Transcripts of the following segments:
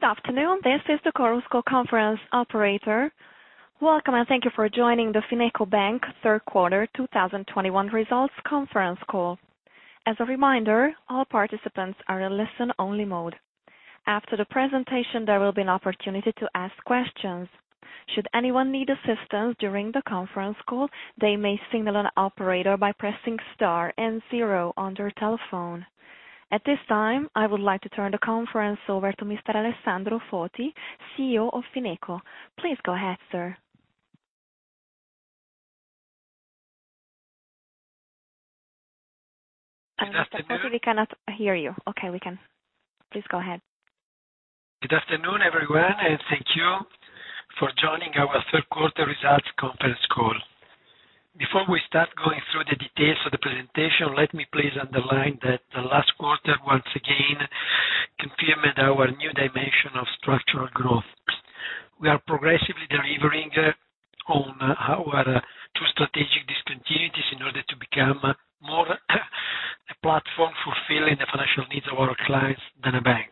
Good afternoon. This is the Chorus Call conference operator. Welcome, and thank you for joining the FinecoBank 1/3 1/4 2021 results conference call. As a reminder, all participants are in listen-only mode. After the presentation, there will be an opportunity to ask questions. Should anyone need assistance during the conference call, they may signal an operator by pressing star and zero on their telephone. At this time, I would like to turn the conference over to Mr. Alessandro Foti, CEO of FinecoBank. Please go ahead, sir. Good afternoon. Mr. Foti, we cannot hear you. Okay, we can. Please go ahead. Good afternoon, everyone, and thank you for joining our 1/3 1/4 results conference call. Before we start going through the details of the presentation, let me please underline that the last 1/4, once again, confirmed our new dimension of structural growth. We are progressively delivering on our 2 strategic discontinuities in order to become more a platform for fulfilling the financial needs of our clients than a bank.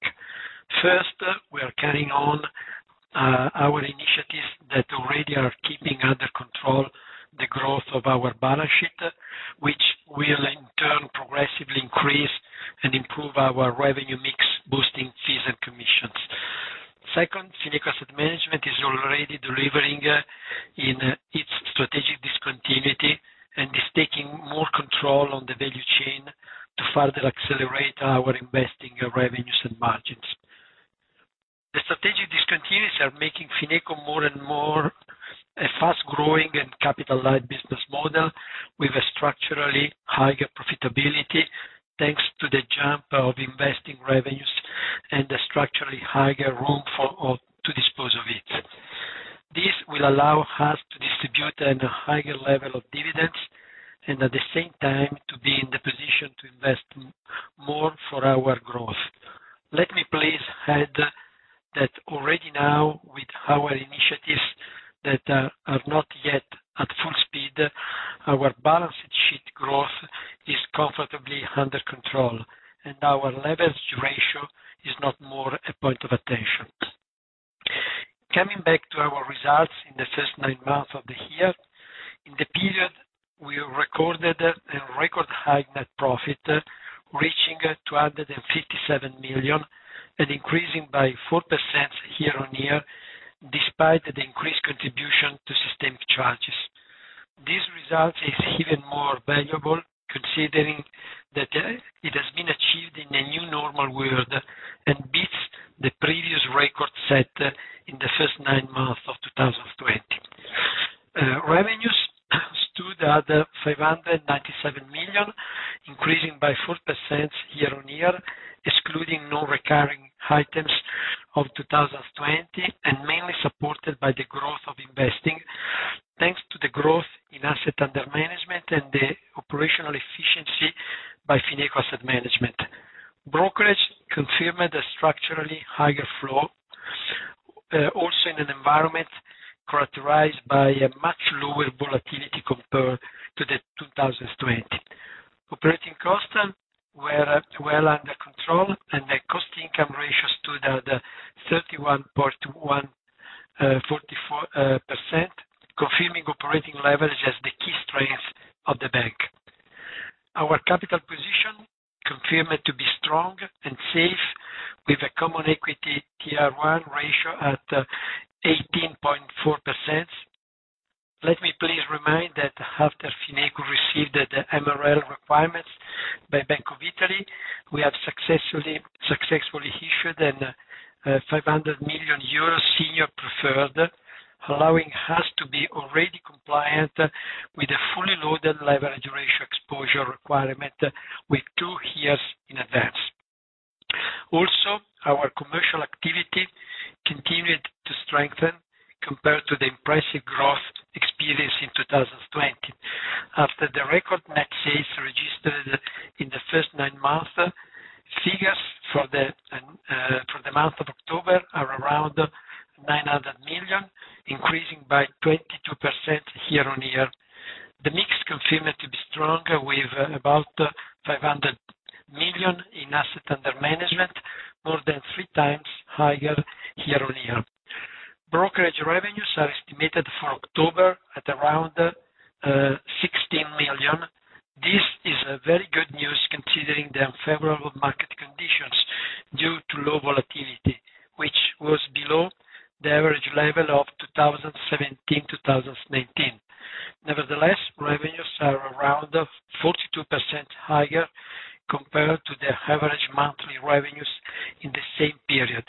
First, we are carrying on our initiatives that already are keeping under control the growth of our balance sheet, which will in turn progressively increase and improve our revenue mix, boosting fees and commissions. Second, Fineco Asset Management is already delivering in its strategic discontinuity and is taking more control on the value chain to further accelerate our investing revenues and margins. The strategic discontinuities are making Fineco more and more a fast-growing and capital-light business model with a structurally higher profitability, thanks to the jump of investing revenues and the structurally higher room for all to dispose of it. This will allow us to distribute at a higher level of dividends, and at the same time, to be in the position to invest more for our growth. Let me please add that already now, with our initiatives that are not yet at full speed, our balance sheet growth is comfortably under control. Our leverage ratio is no more a point of attention. Coming back to our results in the first 9 months of the year. In the period, we recorded a record high net profit reaching 257 million and increasing by 4% year-on-year, despite the increased contribution to systemic charges. This result is even more valuable, considering that it has been achieved in a new normal world and beats the previous record set in the first 9 months of 2020. Revenues stood at 597 million, increasing by 4% year-on-year, excluding Non-recurring items of 2020, and mainly supported by the growth of investing, thanks to the growth in assets under management and the operational efficiency by Fineco Asset Management. Brokerage confirmed a structurally higher flow, also in an environment characterized by a much lower volatility compared to 2020. Operating costs were well under control, and the cost-income ratio stood at 44%, confirming operating leverage as the key strength of the bank. Our capital position confirmed to be strong and safe, with a CET1 ratio at 18.4%. Let me please remind that after Fineco received the MREL requirements by Bank of Italy, we have successfully issued a 500 million euros senior preferred, allowing us to be already compliant with the fully loaded leverage ratio exposure requirement with 2 years in advance. Our commercial activity continued to strengthen compared to the impressive growth experienced in 2020. After the record net sales registered in the first 9 months, figures for the month of October are around 900 million, increasing by 22% year-over-year. The mix confirmed to be strong with about 500 million in assets under management, more than 3 times higher year-over-year. Brokerage revenues are estimated for October at around 16 million. This is a very good news considering the unfavorable market conditions due to low volatility, which was below the average level of 2017-2019. Nevertheless, revenues are around 42% higher compared to the average monthly revenues in the same period,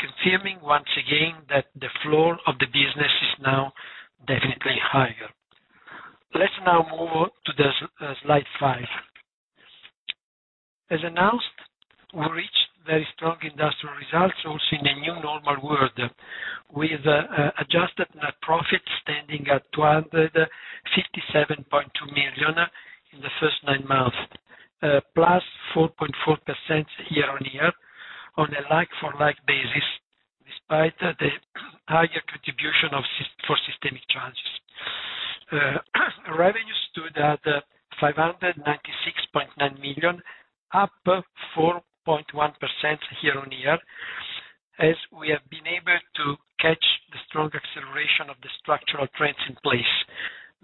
confirming once again that the floor of the business is now definitely higher. Let's now move to slide 5. As announced, we reached very strong industrial results also in the new normal world, with adjusted net profit standing at 257.2 million in the first 9 months. Plus 4.4% year-on-year on a like-for-like basis, despite the higher contribution of systemic charges. Revenue stood at 596.9 million, up 4.1% year-on-year, as we have been able to catch the strong acceleration of the structural trends in place,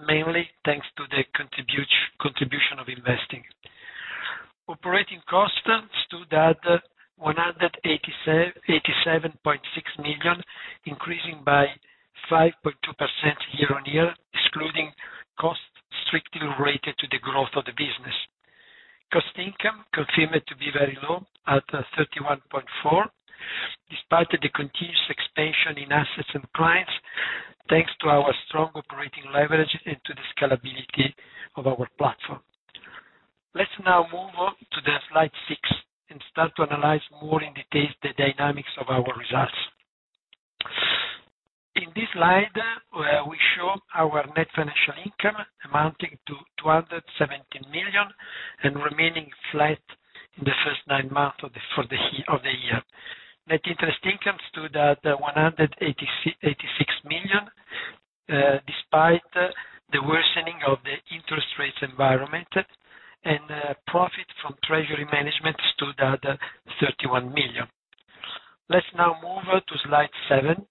mainly thanks to the contribution of investing. Operating cost stood at EUR 187.6 million, increasing by 5.2% year-on-year, excluding costs strictly related to the growth of the business. Cost income continued to be very low at 31.4%, despite the continuous expansion in assets and clients, thanks to our strong operating leverage into the scalability of our platform. Let's now move on to slide 6 and start to analyze more in detail the dynamics of our results. In this slide, we show our net financial income amounting to 217 million and remaining flat in the first 9 months of the year. Net interest income stood at 186 million, despite the worsening of the interest rates environment. Profit from treasury management stood at 31 million. Let's now move on to slide 7.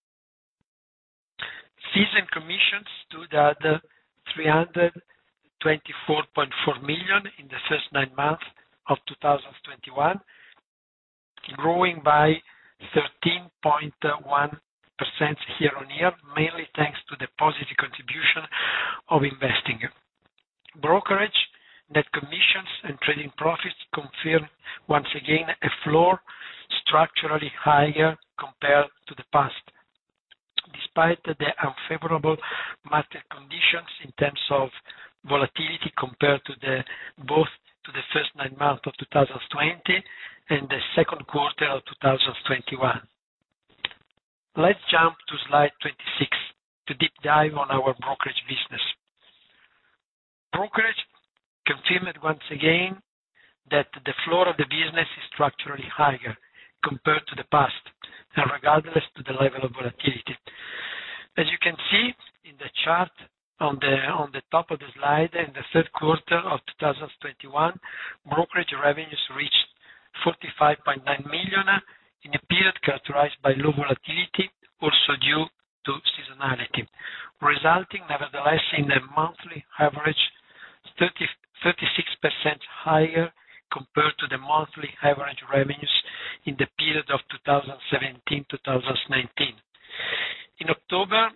Fees and commissions stood at 324.4 million in the first 9 months of 2021, growing by 13.1% year-on-year, mainly thanks to the positive contribution of investing. Brokerage, net commissions and trading profits confirm once again a floor structurally higher compared to the past, despite the unfavorable market conditions in terms of volatility compared to the first 9 months of 2020 and the second 1/4 of 2021. Let's jump to slide 26 to deep dive on our brokerage business. Brokerage confirmed once again that the floor of the business is structurally higher compared to the past and regardless of the level of volatility. As you can see in the chart on the top of the slide, in the 1/3 1/4 of 2021, brokerage revenues reached 45.9 million in a period characterized by low volatility, also due to seasonality, resulting nevertheless in a monthly average 36% higher compared to the monthly average revenues in the period of 2017-2019. In October,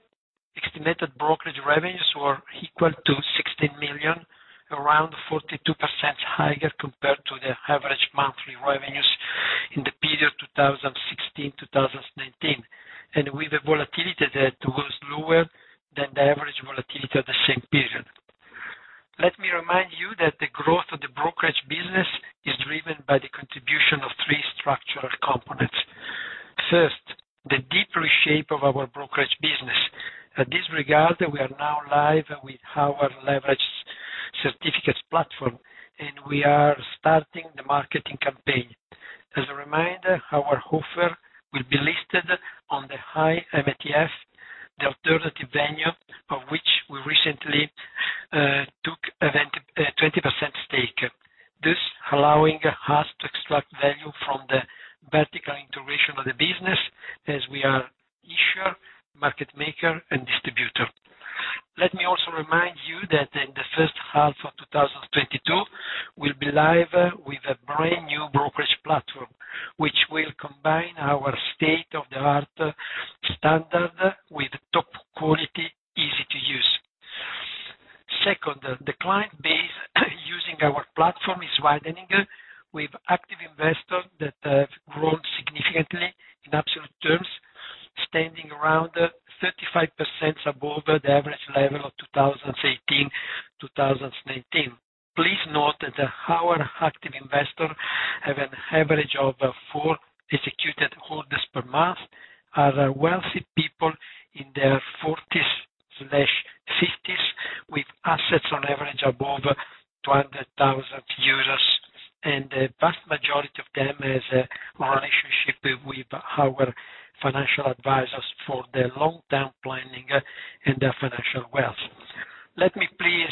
estimated brokerage revenues were equal to 16 million, around 42% higher compared to the average monthly revenues in the period 2016-2019, and with a volatility that was lower than the average volatility of the same period. Let me remind you that the growth of the brokerage business is driven by the contribution of 3 structural components. First, the deep reshape of our brokerage business. In this regard, we are now live with our leveraged certificates platform, and we are starting the marketing campaign. As a reminder, our offer will be listed on the Hi-MTF, the alternative venue of which we recently took a 20% stake. This allowing us to extract value from the vertical integration of the business as we are issuer, market maker and distributor. Let me also remind you that in the first 1/2 of 2022, we'll be live with a brand-new brokerage platform, which will combine our state-of-the-art standard with top quality, easy to use. Second, the client base using our platform is widening with active investors that have grown significantly in absolute terms, standing around 35% above the average level of 2018, 2019. Please note that our active investors have an average of 4 executed orders per month, are wealthy people in their 40s/50s with assets on average above 200,000 euros, and the vast majority of them have a relationship with our financial advisors for their Long-Term planning and their financial wealth. Let me please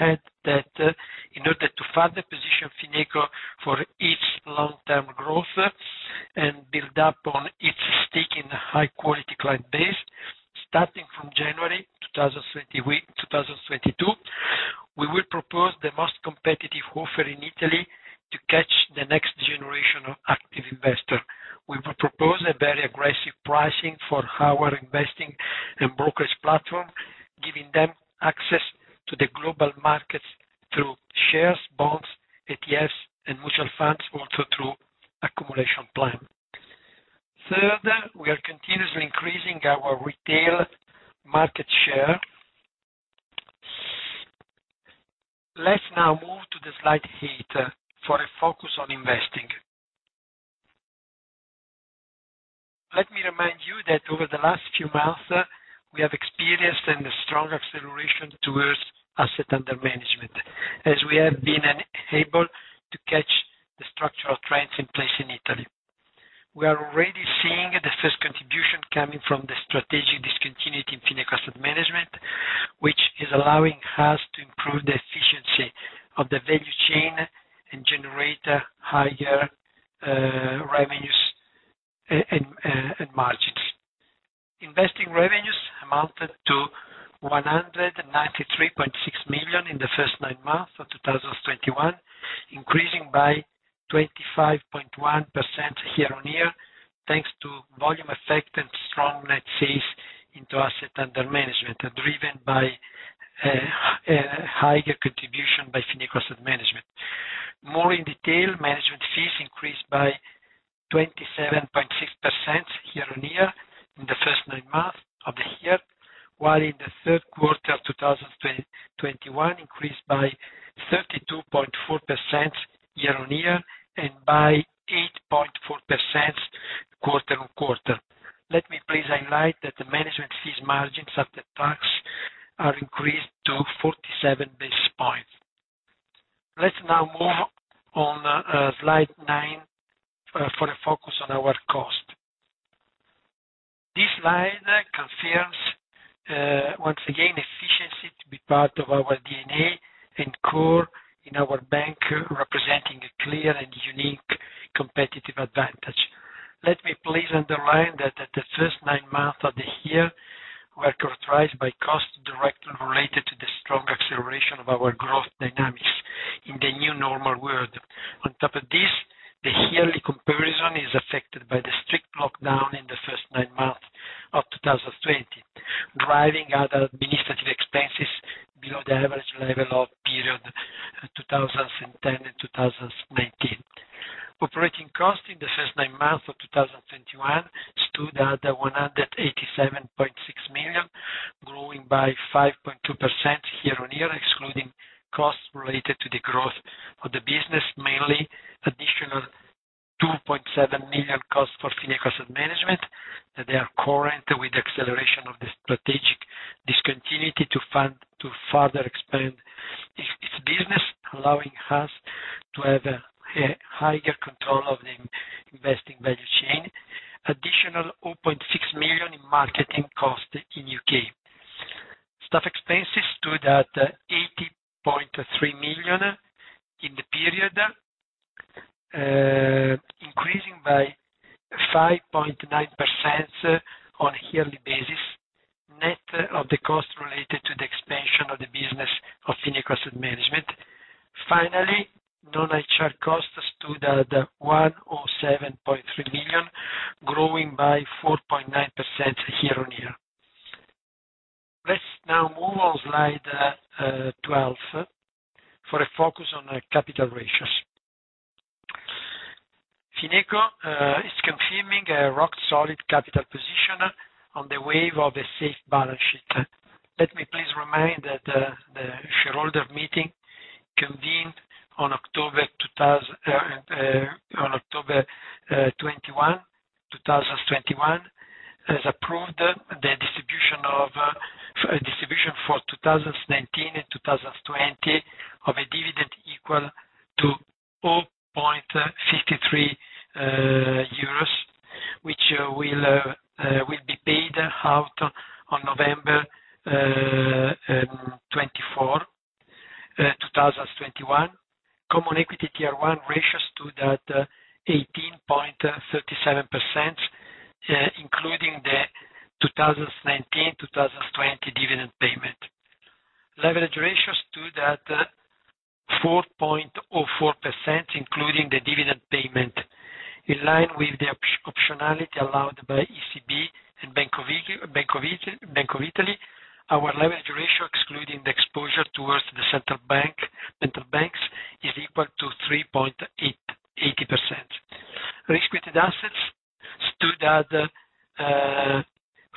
add that in order to further position Fineco for its Long-Term growth and build upon its stake in high quality client base, starting from January 2022, we will propose the most competitive offer in Italy to catch the next generation of active investors. We will propose a very aggressive pricing for our investing and brokerage platform, giving them access to the global markets through shares, bonds, ETFs and mutual funds, also through accumulation plan. Third, we are continuously increasing our retail market share. Let's now move to slide 8 for a focus on investing. Let me remind you that over the last few months, we have experienced a strong acceleration towards assets under management, as we have been able to catch trends in place in Italy. We are already seeing the first contribution coming from the strategic discontinuity in Fineco Asset Management, which is allowing us to improve the efficiency of the value chain and generate higher revenues and margins. Investing revenues amounted to 193.6 million in the first 9 months of 2021, increasing by 25.1% year-on-year, thanks to volume effect and strong net sales into assets under management, driven by higher contribution by Fineco Asset Management. More in detail, management fees increased by 27.6% year-over-year in the first 9 months of the year, while in the 1/3 1/4 of 2021 increased by 32.4% year-over-year and by 8.4% 1/4-over-1/4. Let me please highlight that the management fees margins after tax are increased to 47 basis points. Let's now move on, slide 9 for a focus on our cost. This slide confirms, once again, efficiency to be part of our DNA and core in our bank, representing a clear and unique competitive advantage. Let me please underline that in the first 9 months of the year were characterized by cost directly related to the strong acceleration of our growth dynamics in the new normal world. On top of this, the yearly comparison is affected by the strict lockdown in the first 9 months of 2020, driving other administrative expenses below the average level of period 2010 and 2019. Operating costs in the first 9 months of 2021 stood at 187.6 million, growing by 5.2% year-on-year, excluding costs related to the growth of the business, mainly additional 2.7 million costs for Fineco Asset Management. They are incurred with acceleration of the strategic discontinuity to further expand its business, allowing us to have a higher control of the investing value chain. Additional 0.6 million in marketing cost in U.K. Staff expenses stood at 80.3 million in the period, increasing by 5.9% on a yearly basis, net of the cost related to the expansion of the business of Fineco Asset Management. Finally, Non-HR costs stood at 107.3 million, growing by 4.9% year-on-year. Let's now move on slide 12 for a focus on capital ratios. Fineco is confirming a rock solid capital position on the wave of a safe balance sheet. Let me please remind that the shareholder meeting convened on October 21, 2021, has approved the distribution for 2019 and 2020 of a dividend equal to 0.53 euros, which will be paid out on November 24, 2021. Common Equity Tier 1 ratio stood at 18.37%, including the 2019, 2020 dividend payment. Leverage ratio stood at 4.04%, including the dividend payment. In line with the optionality allowed by ECB and Bank of Italy, our leverage ratio, excluding the exposure towards the central banks, is equal to 3.80%. Risk-weighted assets stood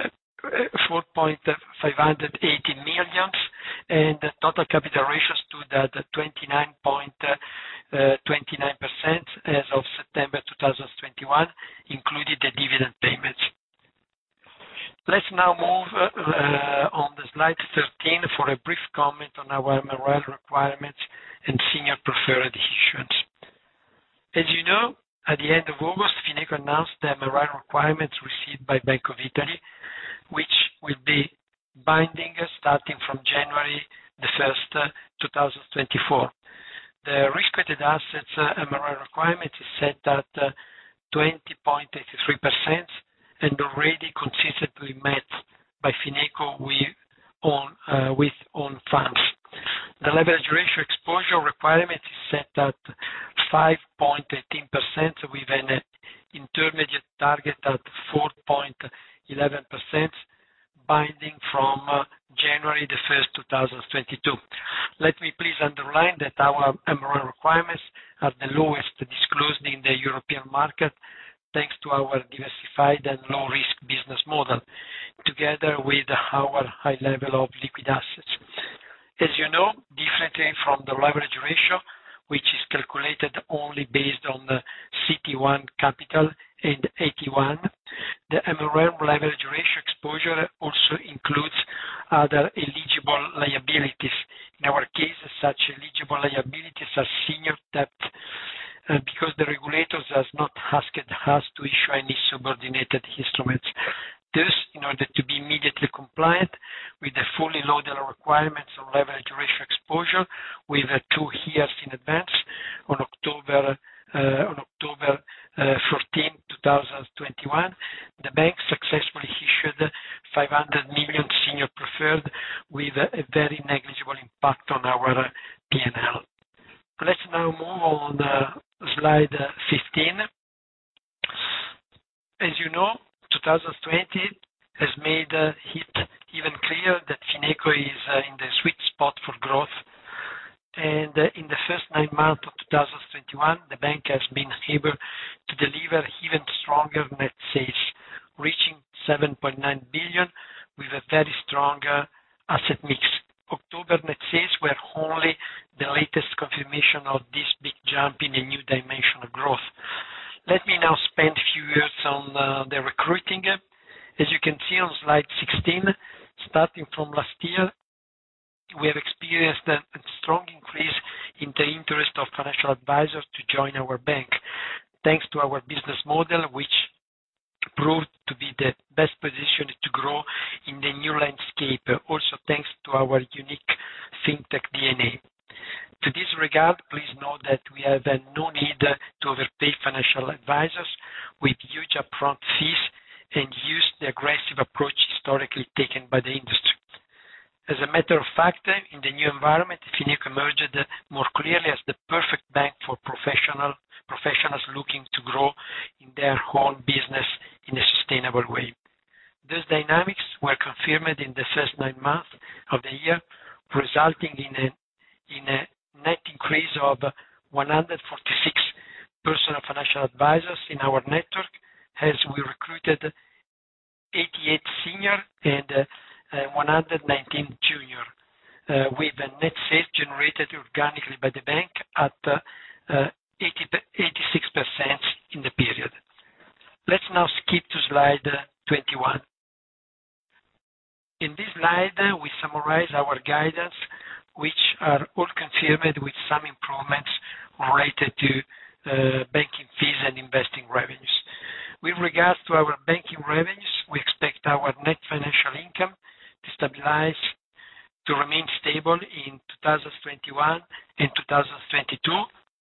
at 4,580 million, and total capital ratios stood at 29.29% as of September 2021, including the dividend payments. Let's now move on the slide 13 for a brief comment on our MREL requirements and senior preferred issuance. As you know, at the end of August, Fineco announced the MREL requirements received by Bank of Italy, which will be binding starting from January 1, 2024. The risk-weighted assets MREL requirement is set at 20.83% and already consistently met by Fineco with own funds. The leverage ratio exposure requirement is set at 5.18%, with a net intermediate target at 4.11%, binding from January 1, 2022. Let me please underline that our MREL requirements are the lowest disclosed in the European market, thanks to our diversified and low-risk business model, together with our high level of liquid assets. As you know, differently from the leverage ratio, which is calculated only based on the CET1 capital and AT1. The MREL level duration exposure also includes other eligible liabilities. In our case, such eligible liabilities are senior debt, because the regulators has not asked us to issue any subordinated instruments. Thus, in order to be immediately compliant with the fully loaded requirements of leverage ratio exposure with 2 years in advance, on October 14, 2021, the bank successfully issued 500 million senior preferred with a very negligible impact on our P&L. Let's now move on slide 15. As you know, 2020 has made it even clear that Fineco is in the sweet spot for growth. In the first 9 months of 2021, the bank has been able to deliver even stronger net sales, reaching 7.9 billion, with a very strong asset mix. October net sales were only the latest confirmation of this big jump in a new dimension of growth. Let me now spend a few words on the recruiting. As you can see on slide 16, starting from last year, we have experienced a strong increase in the interest of financial advisors to join our bank, thanks to our business model, which proved to be the best position to grow in the new landscape, also thanks to our unique fintech DNA. In this regard, please note that we have no need to overpay financial advisors with huge upfront fees and use the aggressive approach historically taken by the industry. As a matter of fact, in the new environment, Fineco emerged more clearly as the perfect bank for professionals looking to grow in their own business in a sustainable way. Those dynamics were confirmed in the first 9 months of the year, resulting in a net increase of 146 Personal Financial Advisors in our network, as we recruited 88 senior and 119 junior, with a net sales generated organically by the bank at 86% in the period. Let's now skip to slide 21. In this slide, we summarize our guidance, which are all confirmed with some improvements related to banking fees and investing revenues. With regards to our banking revenues, we expect our net financial income to stabilize, to remain stable in 2021 and 2022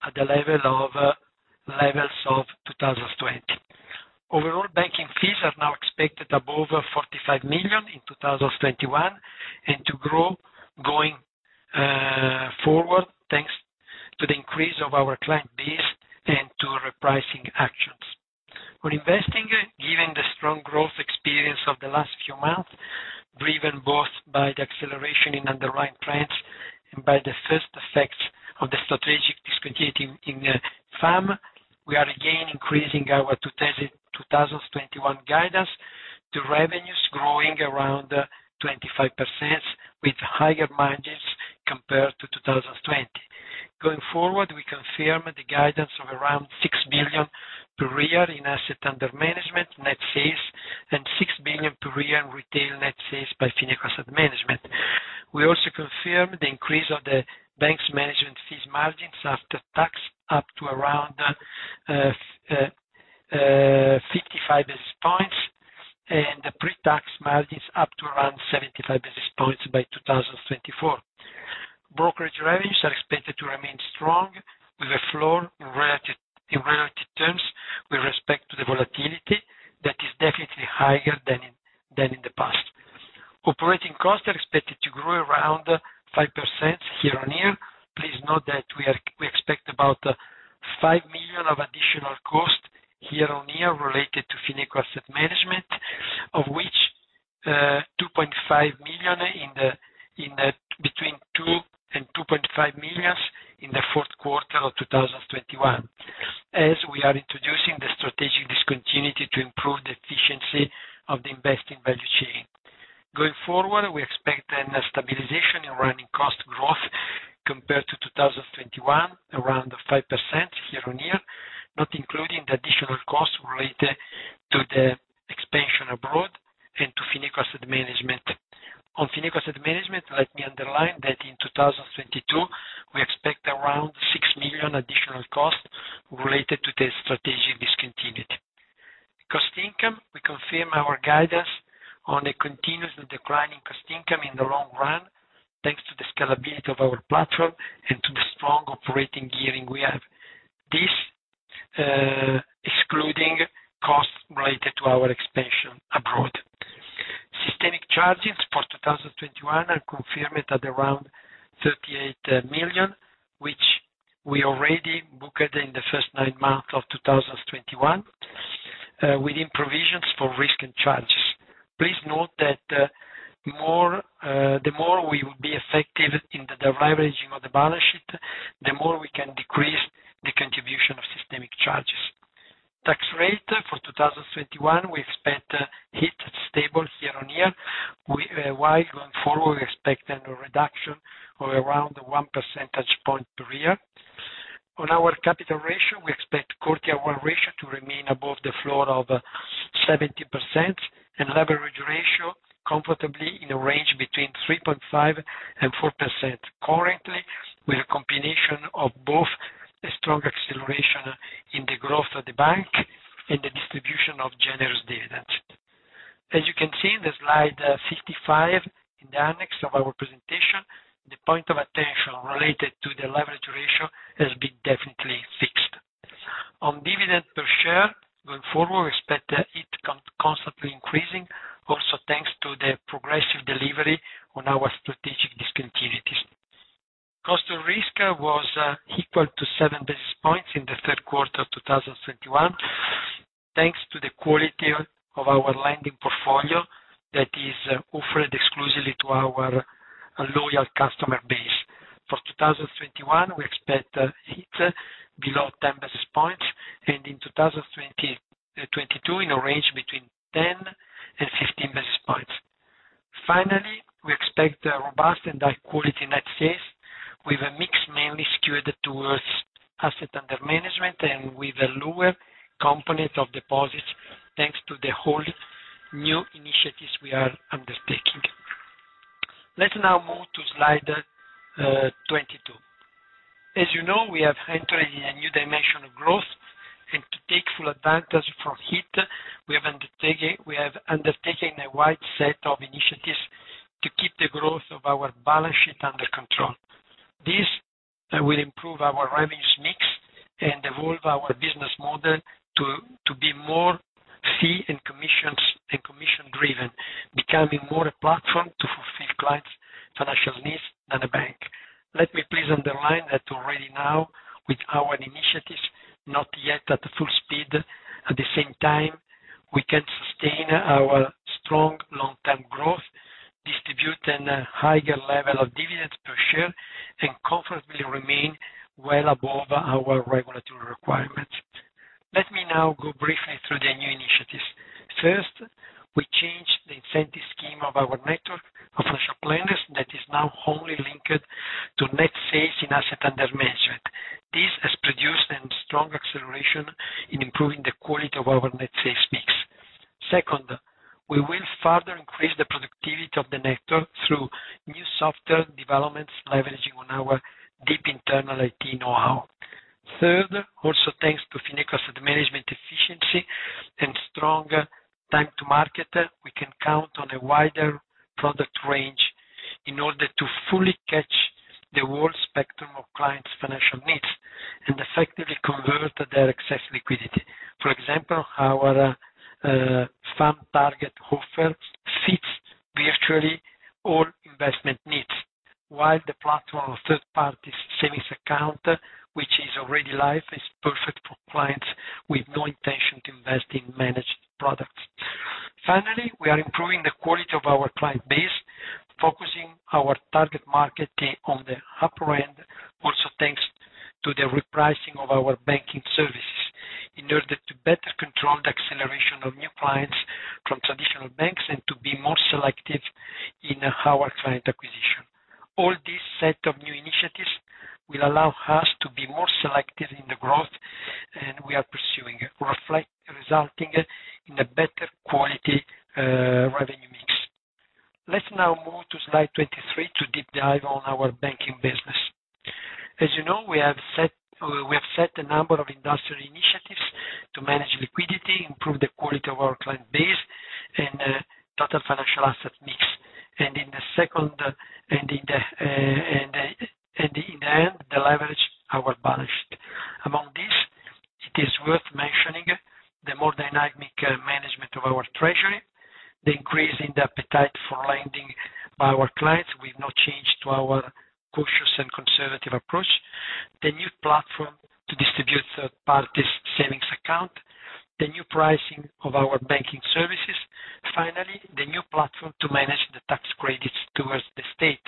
at the level of levels of 2020. Overall, banking fees are now expected above 45 million in 2021 and to grow going forward, thanks to the increase of our client base and to repricing actions. For investing, given the strong growth experience of the last few months, driven both by the acceleration in underwriting trends and by the first effects of the strategic discontinuity in FAM, we are again increasing our 2021 guidance to revenues growing around 25% with higher margins compared to 2020. Going forward, we confirm the guidance of around 6 billion per year in assets under management, net sales, and 6 billion per year in retail net sales by Fineco Asset Management. We also confirm the increase of the bank's management fees margins after tax up to around 55 basis points and the pre-tax margins up to around 75 basis points by 2024.Brokerage revenues are expected to remain strong, with a floor in relative terms with respect to the volatility that is definitely higher than in the past. Operating costs are expected to grow around 5% year-on-year. Please note that we expect about 5 million of additional cost year-on-year related to Fineco Asset Management, of which between 2 and 2.5 million in the fourth 1/4 of 2021, as we are introducing the strategic discontinuity to improve the efficiency of the investing value chain. Going forward, we expect a stabilization in running cost growth compared to 2021, around 5% year-on-year, not including the additional costs related to the expansion abroad and to Fineco Asset Management. On Fineco Asset Management, let me underline that in 2022, we expect around 6 million additional costs related to the strategic discontinuity. Cost-income ratio, we confirm our guidance on a continuous decline in cost-income ratio in the long run, thanks to the scalability of our platform and to the strong operating gearing we have. This excluding costs related to our expansion abroad. Systemic charges for 2021 are confirmed at around 38 million, which we already booked in the first 9 months of 2021 within provisions for risk and charges. Please note that the more we will be effective in the de-leveraging of the balance sheet, the more we can decrease the contribution of systemic charges. Tax rate for 2021, we expect, while going forward, we expect a reduction of around 1 percentage point per year. On our capital ratio, we expect core Tier 1 ratio to remain above the floor of 70% and leverage ratio comfortably in a range between 3.5%-4% currently, with a combination of both a strong acceleration in the growth of the bank and the distribution of generous dividends. As you can see in the slide, 55 in the annex of our presentation, the point of attention related to the leverage ratio has been definitely fixed. On dividend per share going forward, we expect it constantly increasing, also thanks to the progressive delivery on our strategic discontinuities. Cost of risk was equal to 7 basis points in the 1/3 1/4 of 2021, thanks to the quality of our lending portfolio that is offered exclusively to our loyal customer base. For 2021, we expect it below 10 basis points, and in 2022 in a range between 10 and 15 basis points. Finally, we expect a robust and high quality net sales with a mix mainly skewed towards assets under management and with a lower component of deposits, thanks to the wholly new initiatives we are undertaking. Let's now move to slide 22. As you know, we have entered a new dimension of growth, and to take full advantage of it, we have undertaken a wide set of initiatives to keep the growth of our balance sheet under control. This will improve our revenue mix and evolve our business model to be more fee- and commission-driven, becoming more a platform to fulfill clients' financial needs than a bank. Let me please underline that already now with our initiatives, not yet at full speed, at the same time, we can sustain our strong L growth, distribute a higher level of dividends per share, and comfortably remain well above our regulatory requirements. Let me now go briefly through the new initiatives. First, we changed the incentive scheme of our network of financial planners that is now only linked to net sales in asset under management. This has produced a strong acceleration in improving the quality of our net sales mix. Second, we will further increase the productivity of the network through new software developments, leveraging on our deep internal IT know-how. Third, also thanks to Fineco Asset Management efficiency and strong time to market, we can count on a wider product range in order to fully catch the whole spectrum of clients' financial needs and effectively convert their excess liquidity. For example, our FAM Target offer fits virtually all investment needs, while the platform of 1/3 party savings account, which is already live, is perfect for clients with no intention to invest in managed products. Finally, we are improving the quality of our client base, focusing our target market on the upper end, also thanks to the repricing of our banking services in order to better control the acceleration of new clients from traditional banks and to be more selective in our client acquisition. All this set of new initiatives will allow us to be more selective in the growth, and we are pursuing it, resulting in a better quality revenue mix. Let's now move to slide 23 to deep dive on our banking business. As you know, we have set a number of industrial initiatives to manage liquidity, improve the quality of our client base and total financial asset mix. In the end, deleverage our balance sheet. Among these, it is worth mentioning the more dynamic management of our treasury, the increase in the appetite for lending by our clients with no change to our cautious and conservative approach, the new platform to distribute 1/3 party savings account, the new pricing of our banking services. Finally, the new platform to manage the tax credits towards the state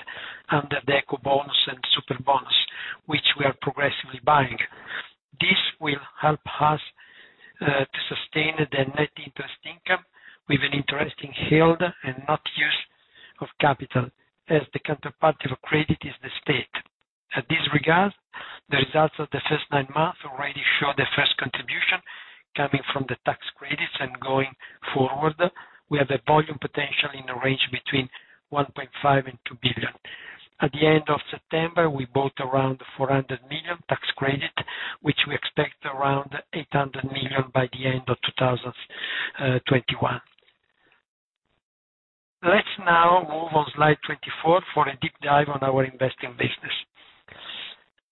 under the Ecobonus and Superbonus, which we are progressively buying. This will help us to sustain the net interest income with an interest in yield and not use of capital, as the counterparty of credit is the state. In this regard, the results of the first 9 months already show the first contribution coming from the tax credits, and going forward, we have a volume potential in a range between 1.5 billion and 2 billion. At the end of September, we bought around 400 million tax credits, which we expect around 800 million by the end of 2021. Let's now move on slide 24 for a deep dive on our investing business.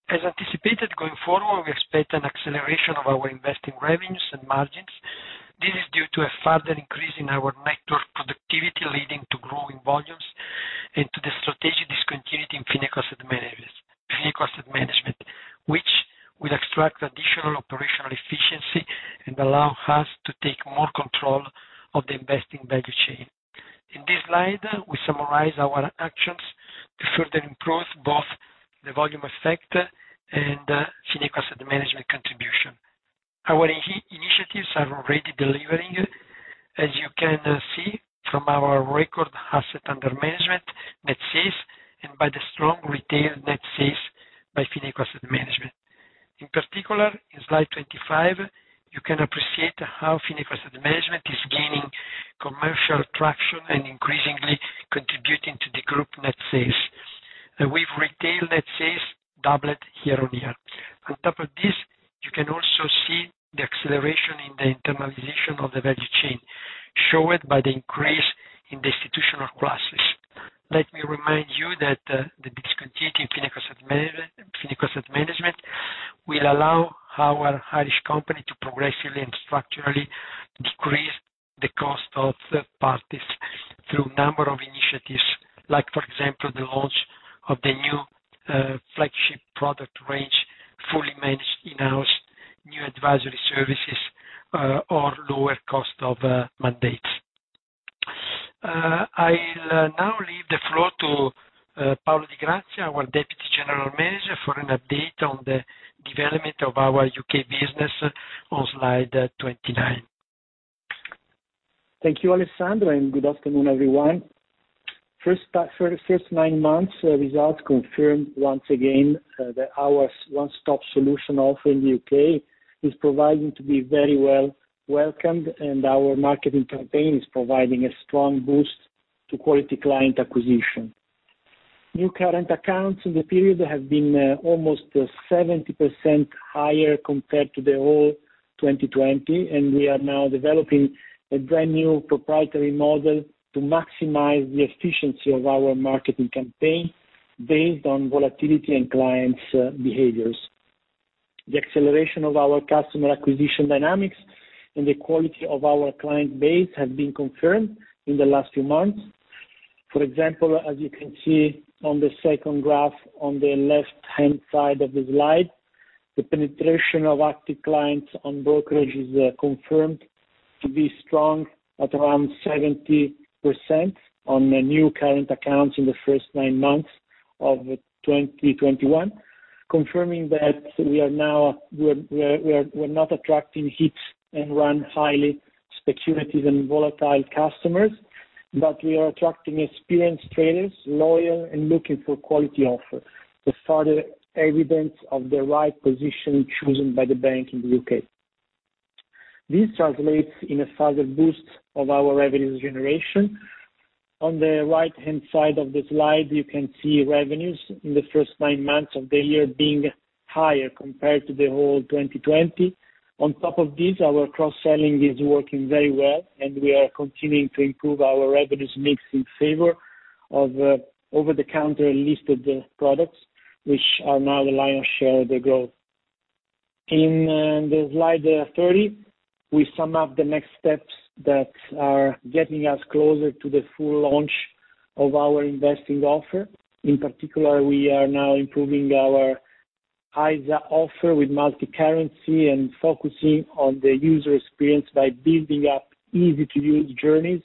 As anticipated, going forward, we expect an acceleration of our investing revenues and margins. This is due to a further increase in our netwtwork productivity, leading to growing volumes and to the strategic discontinuity in Fineco Asset Management, which will extract additional operational efficiency and allow us to take more control of the investing value chain. In this slide, we summarize our actions to further improve both the volume effect and Fineco Asset Management contribution. Already delivering, as you can see from our record assets under management net sales, and by the strong retail net sales by Fineco Asset Management. In particular, in slide 25, you can appreciate how Fineco Asset Management is gaining commercial traction and increasingly contributing to the group net sales with retail net sales doubled year-on-year. On top of this, you can also see the acceleration in the internalization of the value chain, shown by the increase in the institutional classes. Let me remind you that the discontinuity in Fineco Asset Management will allow our Irish company to progressively and structurally decrease the cost of 1/3 parties through number of initiatives, like for example, the launch of the new flagship product range, fully managed in-house new advisory services, or lower cost of mandates. I'll now leave the floor to Paolo Di Grazia, our Deputy General Manager, for an update on the development of our U.K. business on slide 29. Thank you, Alessandro, and good afternoon, everyone. For the first 9 months, results confirmed once again that our one-stop solution offer in the U.K. is proving to be very well welcomed, and our marketing campaign is providing a strong boost to quality client acquisition. New current accounts in the period have been almost 70% higher compared to the whole 2020, and we are now developing a brand new proprietary model to maximize the efficiency of our marketing campaign based on volatility and clients' behaviors. The acceleration of our customer acquisition dynamics and the quality of our client base has been confirmed in the last few months. For example, as you can see on the second graph on the left-hand side of the slide, the penetration of active clients on brokerage is confirmed to be strong at around 70% on the new current accounts in the first 9 months of 2021, confirming that we are now not attracting hit and run highly speculative and volatile customers, but we are attracting experienced traders, loyal and looking for quality offer. This further evidence of the right position chosen by the bank in the U.K. This translates in a further boost of our revenues generation. On the right-hand side of the slide, you can see revenues in the first 9 months of the year being higher compared to the whole 2020. On top of this, our cross-selling is working very well, and we are continuing to improve our revenues mix in favor of over-the-counter listed products, which are now the lion's share of the growth. In the slide 30, we sum up the next steps that are getting us closer to the full launch of our investing offer. In particular, we are now improving our ISA offer with multi-currency and focusing on the user experience by building up easy-to-use journeys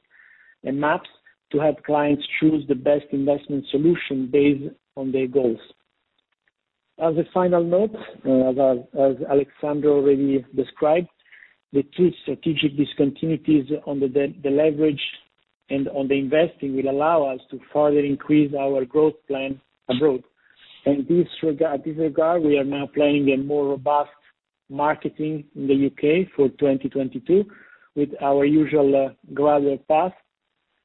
and maps to help clients choose the best investment solution based on their goals. As a final note, as Alessandro already described, the 2 strategic discontinuities on the leverage and on the investing will allow us to further increase our growth plan abroad. In this regard, we are now planning a more robust marketing in the U.K. for 2022 with our usual gradual path,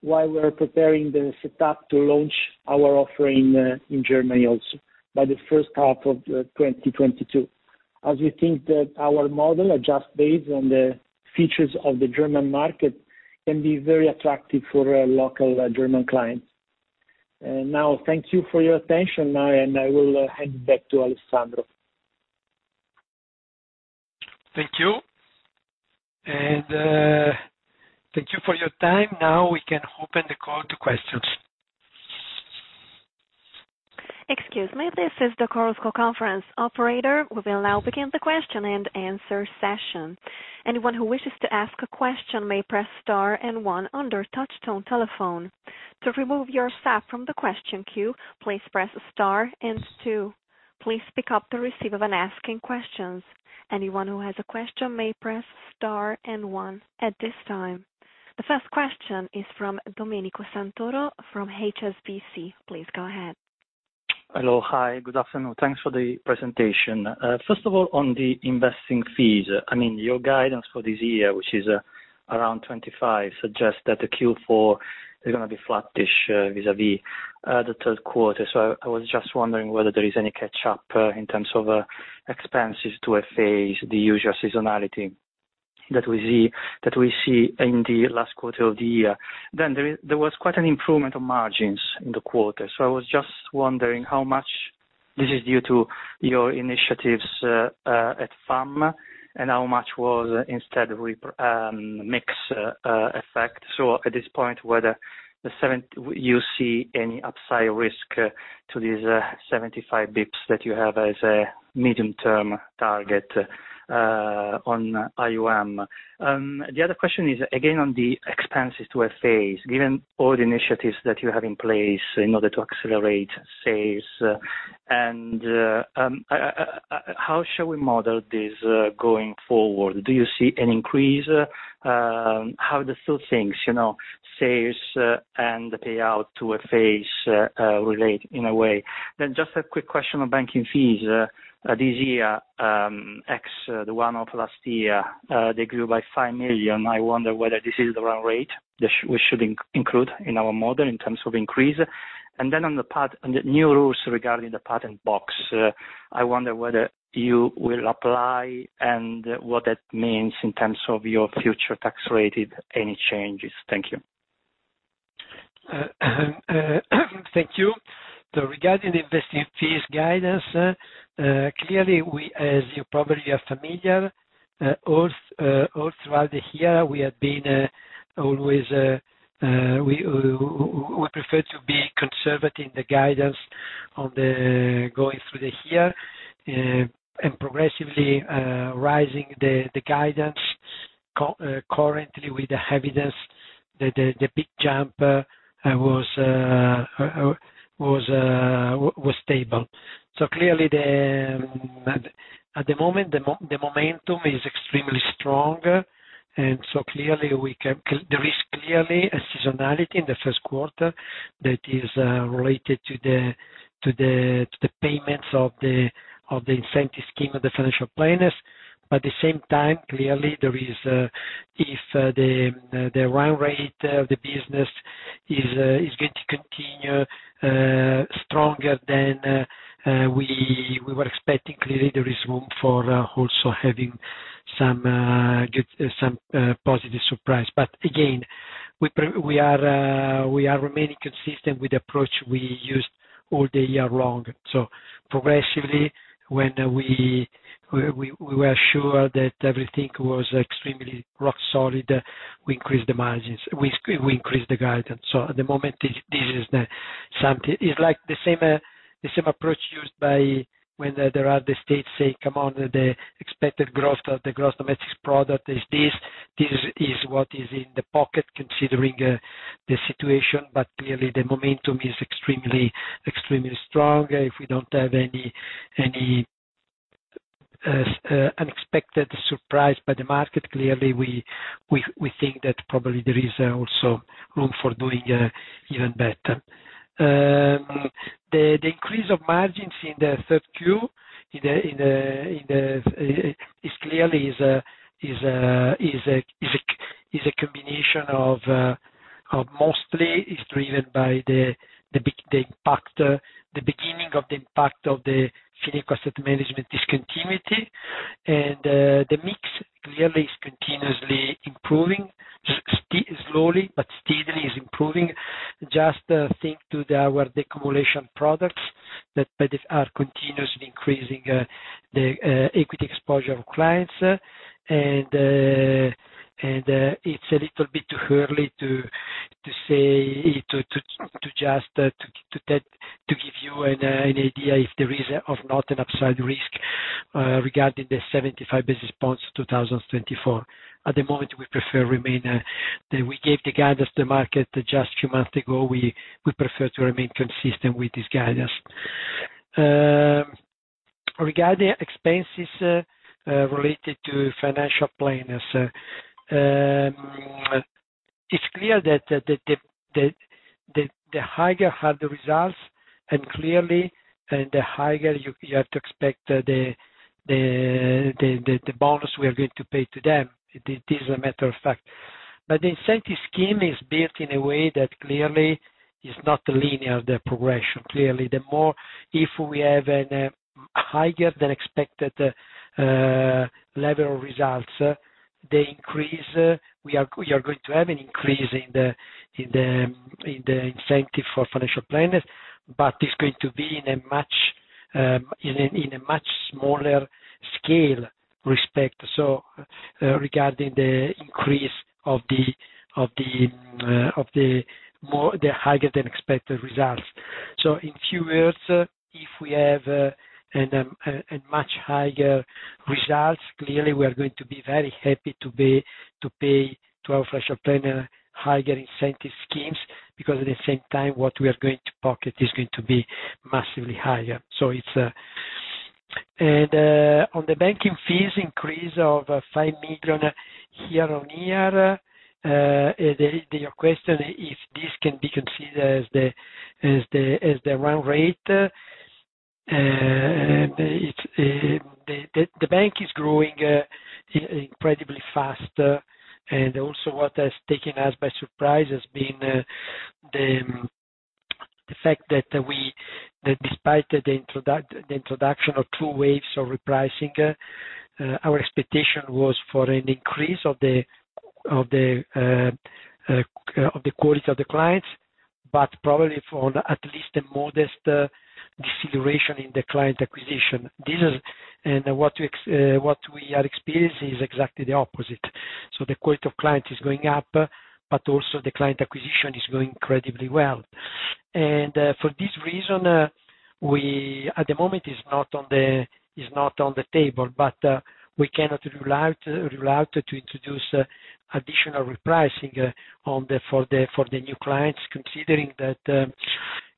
while we are preparing the setup to launch our offering in Germany also by the first 1/2 of 2022, as we think that our model, adjusted based on the features of the German market, can be very attractive for local German clients. Now thank you for your attention, and I will hand back to Alessandro. Thank you. Thank you for your time. Now we can open the call to questions. Excuse me. This is the Chorus Call operator. We will now begin the question and answer session. Anyone who wishes to ask a question may press star and one on their touch tone telephone. To remove yourself from the question queue, please press star and 2. Please pick up the receiver when asking questions. Anyone who has a question may press star and one at this time. The first question is from Domenico Santoro from HSBC. Please go ahead. Hello. Hi. Good afternoon. Thanks for the presentation. First of all, on the investing fees, I mean, your guidance for this year, which is around 25, suggests that the Q4 is gonna be flattish vis-à-vis the 1/3 1/4. I was just wondering whether there is any catch up in terms of expenses to offset the usual seasonality that we see in the last 1/4 of the year. There was quite an improvement on margins in the 1/4. I was just wondering how much this is due to your initiatives at FAM, and how much was instead mix effect. At this point, whether you see any upside risk to these 75 basis points that you have as a medium-term target on uncertain. The other question is, again, on the expenses to PFAs. Given all the initiatives that you have in place in order to accelerate sales, how shall we model this going forward? Do you see an increase? How do you still think, you know, sales and the payout to PFAs relate in a way? Just a quick question on banking fees. This year versus the one of last year, they grew by 5 million. I wonder whether this is the run rate that we should include in our model in terms of increase. On the new rules regarding the patent box, I wonder whether you will apply and what that means in terms of your future tax rate, if any changes. Thank you. Thank you. Regarding investing fees guidance, clearly, as you probably are familiar, all throughout the year, we have always preferred to be conservative in the guidance going through the year, and progressively raising the guidance currently with the evidence that the big jump was stable. Clearly, at the moment, the momentum is extremely strong. There is clearly a seasonality in the first 1/4 that is related to the payments of the incentive scheme of the financial planners. At the same time, clearly, if the run rate of the business is going to continue stronger than we were expecting, clearly there is room for also having some positive surprise. Again, we are remaining consistent with the approach we used all the year long. Progressively, when we were sure that everything was extremely rock solid, we increased the margins. We increased the guidance. At the moment, this is something. It's like the same approach used when there are the stats saying, "Come on, the expected growth of the gross domestic product is this. This is what is in the pocket, considering the situation." Clearly, the momentum is extremely strong. If we don't have any unexpected surprise by the market, clearly, we think that probably there is also room for doing even better. The increase of margins in the 1/3 Q is clearly a combination of mostly is driven by the impact, the beginning of the impact of the Fineco Asset Management discontinuity. The mix clearly is continuously improving. Slowly but steadily is improving. Just think to our accumulation products that are continuously increasing the equity exposure of clients. It's a little bit too early to say just to give you an idea if there is or not an upside risk regarding the 75 basis points, 2024. At the moment, we prefer remain that we gave the guidance to market just a few months ago. We prefer to remain consistent with this guidance. Regarding expenses related to financial planners, it's clear that the higher are the results and the higher you have to expect the bonus we are going to pay to them. It is a matter of fact. The incentive scheme is built in a way that clearly is not linear, the progression. Clearly, if we have a higher than expected level of results, they increase. We are going to have an increase in the incentive for financial planners, but it's going to be in a much smaller scale respect regarding the increase of the higher than expected results. In few words, if we have a much higher results, clearly we are going to be very happy to pay to our financial planner higher incentive schemes, because at the same time, what we are going to pocket is going to be massively higher. So it's. On the banking fees increase of 5 million year-over-year, the question if this can be considered as the run rate. It's the bank is growing incredibly fast. What has taken us by surprise has been the fact that despite the introduction of 2 waves of repricing, our expectation was for an increase of the quality of the clients, but probably for at least a modest deceleration in the client acquisition. What we are experiencing is exactly the opposite. The quality of clients is going up, but also the client acquisition is going incredibly well. For this reason, we at the moment is not on the table, but we cannot rule out to introduce additional repricing for the new clients, considering that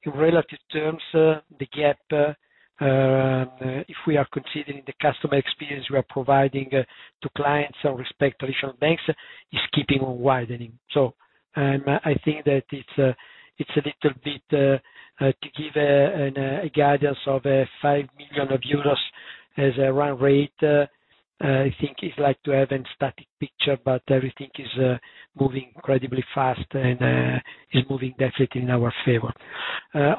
in relative terms, the gap, if we are considering the customer experience we are providing to clients and in respect to traditional banks, is keeping on widening. I think that it's a little bit to give a guidance of 5 million euros as a run rate, I think is like to have a static picture, but everything is moving incredibly fast and is moving definitely in our favor.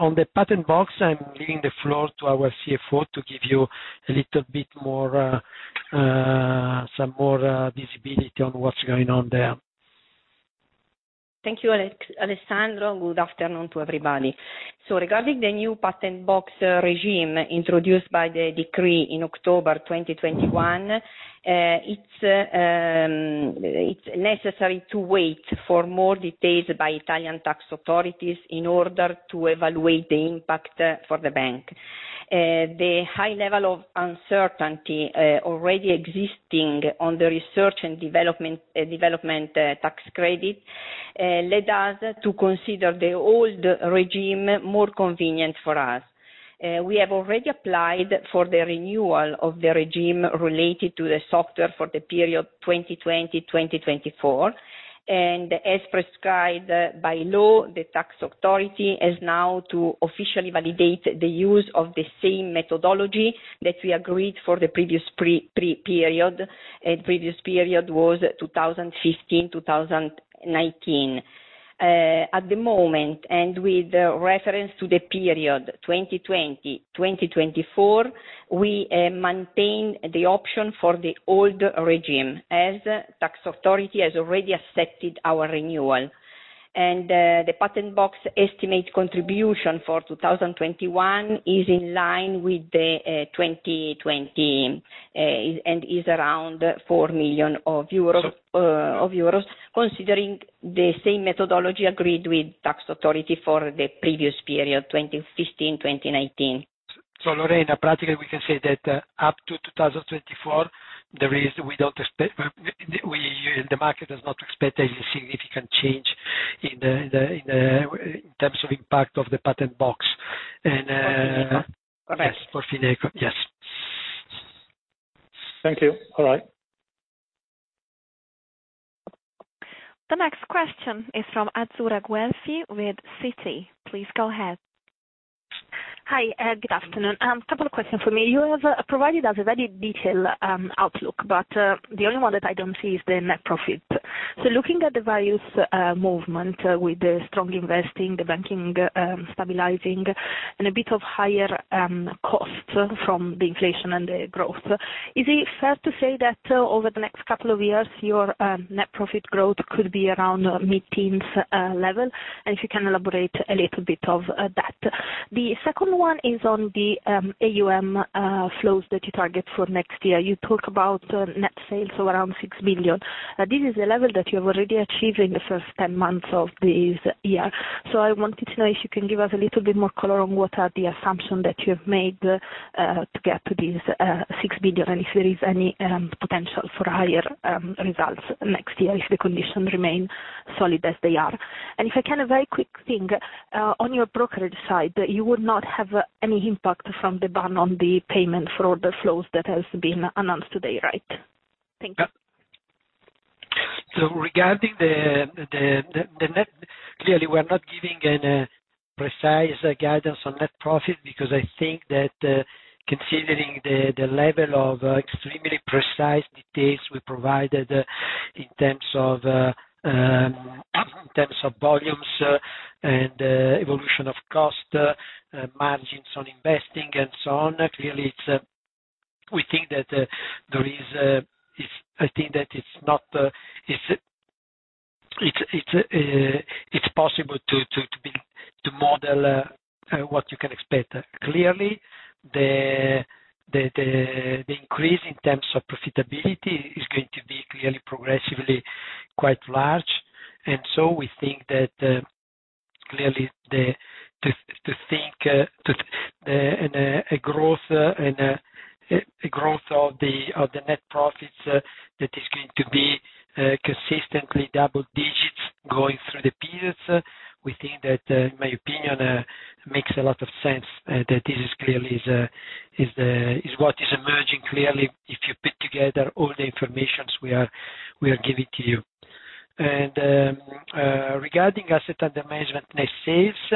On the Patent Box, I'm giving the floor to our CFO to give you a little bit more visibility on what's going on there. Thank you, Alessandro. Good afternoon to everybody. Regarding the new patent box regime introduced by the decree in October 2021, it's necessary to wait for more details by Italian tax authorities in order to evaluate the impact for the bank. The high level of uncertainty already existing on the research and development tax credit led us to consider the old regime more convenient for us. We have already applied for the renewal of the regime related to the software for the period 2020-2024. As prescribed by law, the tax authority is now to officially validate the use of the same methodology that we agreed for the previous period. The previous period was 2015-2019. At the moment, and with reference to the period 2020-2024, we maintain the option for the old regime as tax authority has already accepted our renewal. The patent box estimate contribution for 2021 is in line with the 2020 and is around 4 million euros, considering the same methodology agreed with tax authority for the previous period, 2015-2019. Lorena, practically, we can say that up to 2024, there is, we don't expect the market does not expect any significant change in terms of impact of the patent box. For Fineco. Yes, for Fineco. Yes. Thank you. All right. The next question is from Azzurra Guelfi with Citi. Please go ahead. Hi, good afternoon. Couple of question for me. You have provided us a very detailed outlook, but the only one that I don't see is the net profit. Looking at the values movement with the strong investing, the banking stabilizing and a bit of higher costs from the inflation and the growth, is it fair to say that over the next couple of years, your net profit growth could be around mid-teens level? If you can elaborate a little bit of that. The second one is on the AUM flows that you target for next year. You talk about net sales of around 6 million. This is a level that you have already achieved in the first 10 months of this year. I wanted to know if you can give us a little bit more color on what are the assumption that you have made to get to this 6 billion, and if there is any potential for higher results next year if the conditions remain solid as they are. If I can, a very quick thing on your brokerage side, you would not have any impact from the ban on the payment for order flow that has been announced today, right? Thank you. Regarding the net, clearly, we're not giving any precise guidance on net profit because I think that, considering the level of extremely precise details we provided in terms of volumes and evolution of cost, margins on investing and so on, clearly, we think that it is possible to model what you can expect. Clearly, the increase in terms of profitability is going to be clearly progressively quite large. We think that clearly the growth of the net profits that is going to be consistently double digits going through the periods. We think that in my opinion makes a lot of sense that this is clearly what is emerging clearly if you put together all the information we are giving to you. Regarding assets under management net sales,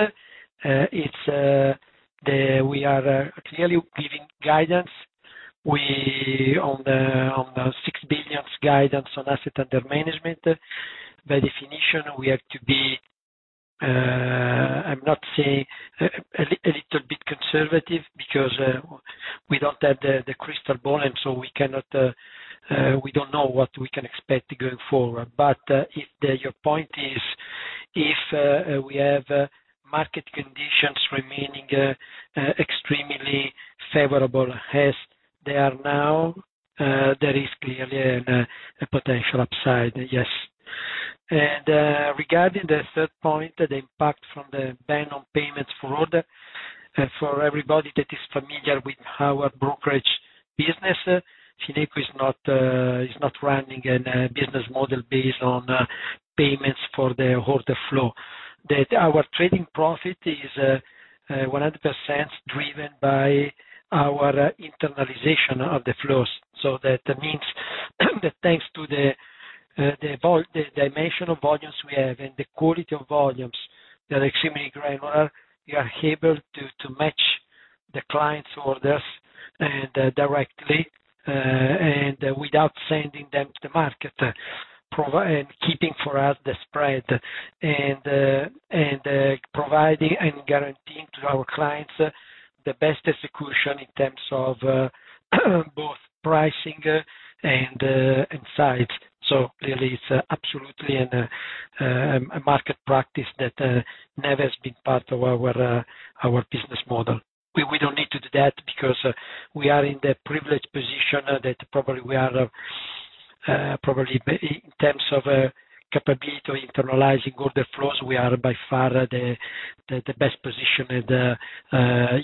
we are clearly giving guidance. We are on the 6 billion guidance on assets under management. By definition, we have to be. I'm not saying a little bit conservative because we don't have the crystal ball, and so we cannot. We don't know what we can expect going forward. If your point is, if we have market conditions remaining extremely favorable as they are now, there is clearly a potential upside, yes. Regarding the 1/3 point, the impact from the ban on payments fraud. For everybody that is familiar with our brokerage business, Fineco is not running in a business model based on payment for order flow. Our trading profit is 100% driven by our internalization of the flows. That means that thanks to the dimension of volumes we have and the quality of volumes that are extremely granular, we are able to match the clients orders directly and without sending them to the market and keeping for us the spread and providing and guaranteeing to our clients the best execution in terms of both pricing and size. Really, it's absolutely a market practice that never has been part of our business model. We don't need to do that because we are in the privileged position that probably we are probably in terms of capability internalizing order flows, we are by far the best positioned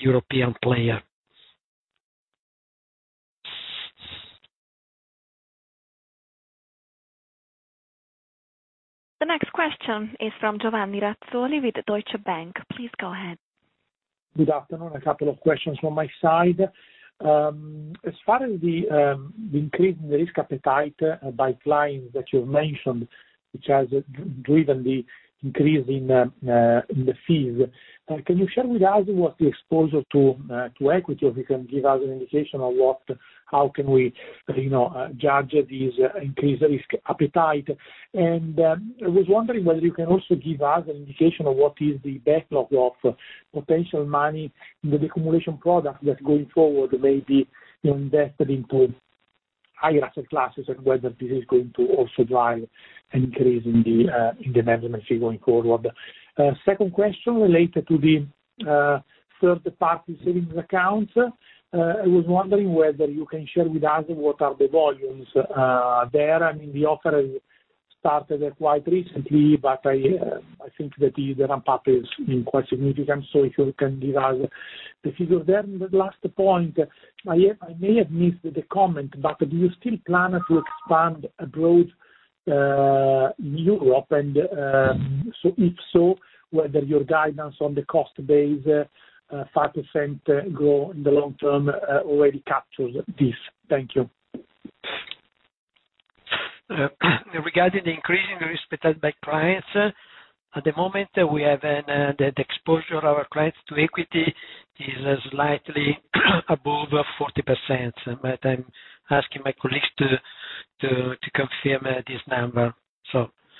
European player. The next question is from Giovanni Razzoli with Deutsche Bank. Please go ahead. Good afternoon. A couple of questions from my side. As far as the increase in the risk appetite by clients that you've mentioned, which has driven the increase in the fees, can you share with us what the exposure to equity or how can we, you know, judge this increased risk appetite? I was wondering whether you can also give us an indication of what is the backlog of potential money in the decumulation product that going forward may be invested into higher asset classes and whether this is going to also drive an increase in the management fee going forward. Second question related to the 1/3-party savings accounts. I was wondering whether you can share with us what are the volumes there. I mean, the offer has started quite recently, but I think that the ramp up is quite significant. If you can give us the figure there. The last point, I may have missed the comment, but do you still plan to expand abroad, in Europe? If so, whether your guidance on the cost base, 5% growth in the long term, already captures this. Thank you. Regarding the increasing risk appetite by clients, at the moment we have the exposure of our clients to equity is slightly above 40%, but I'm asking my colleagues to confirm this number.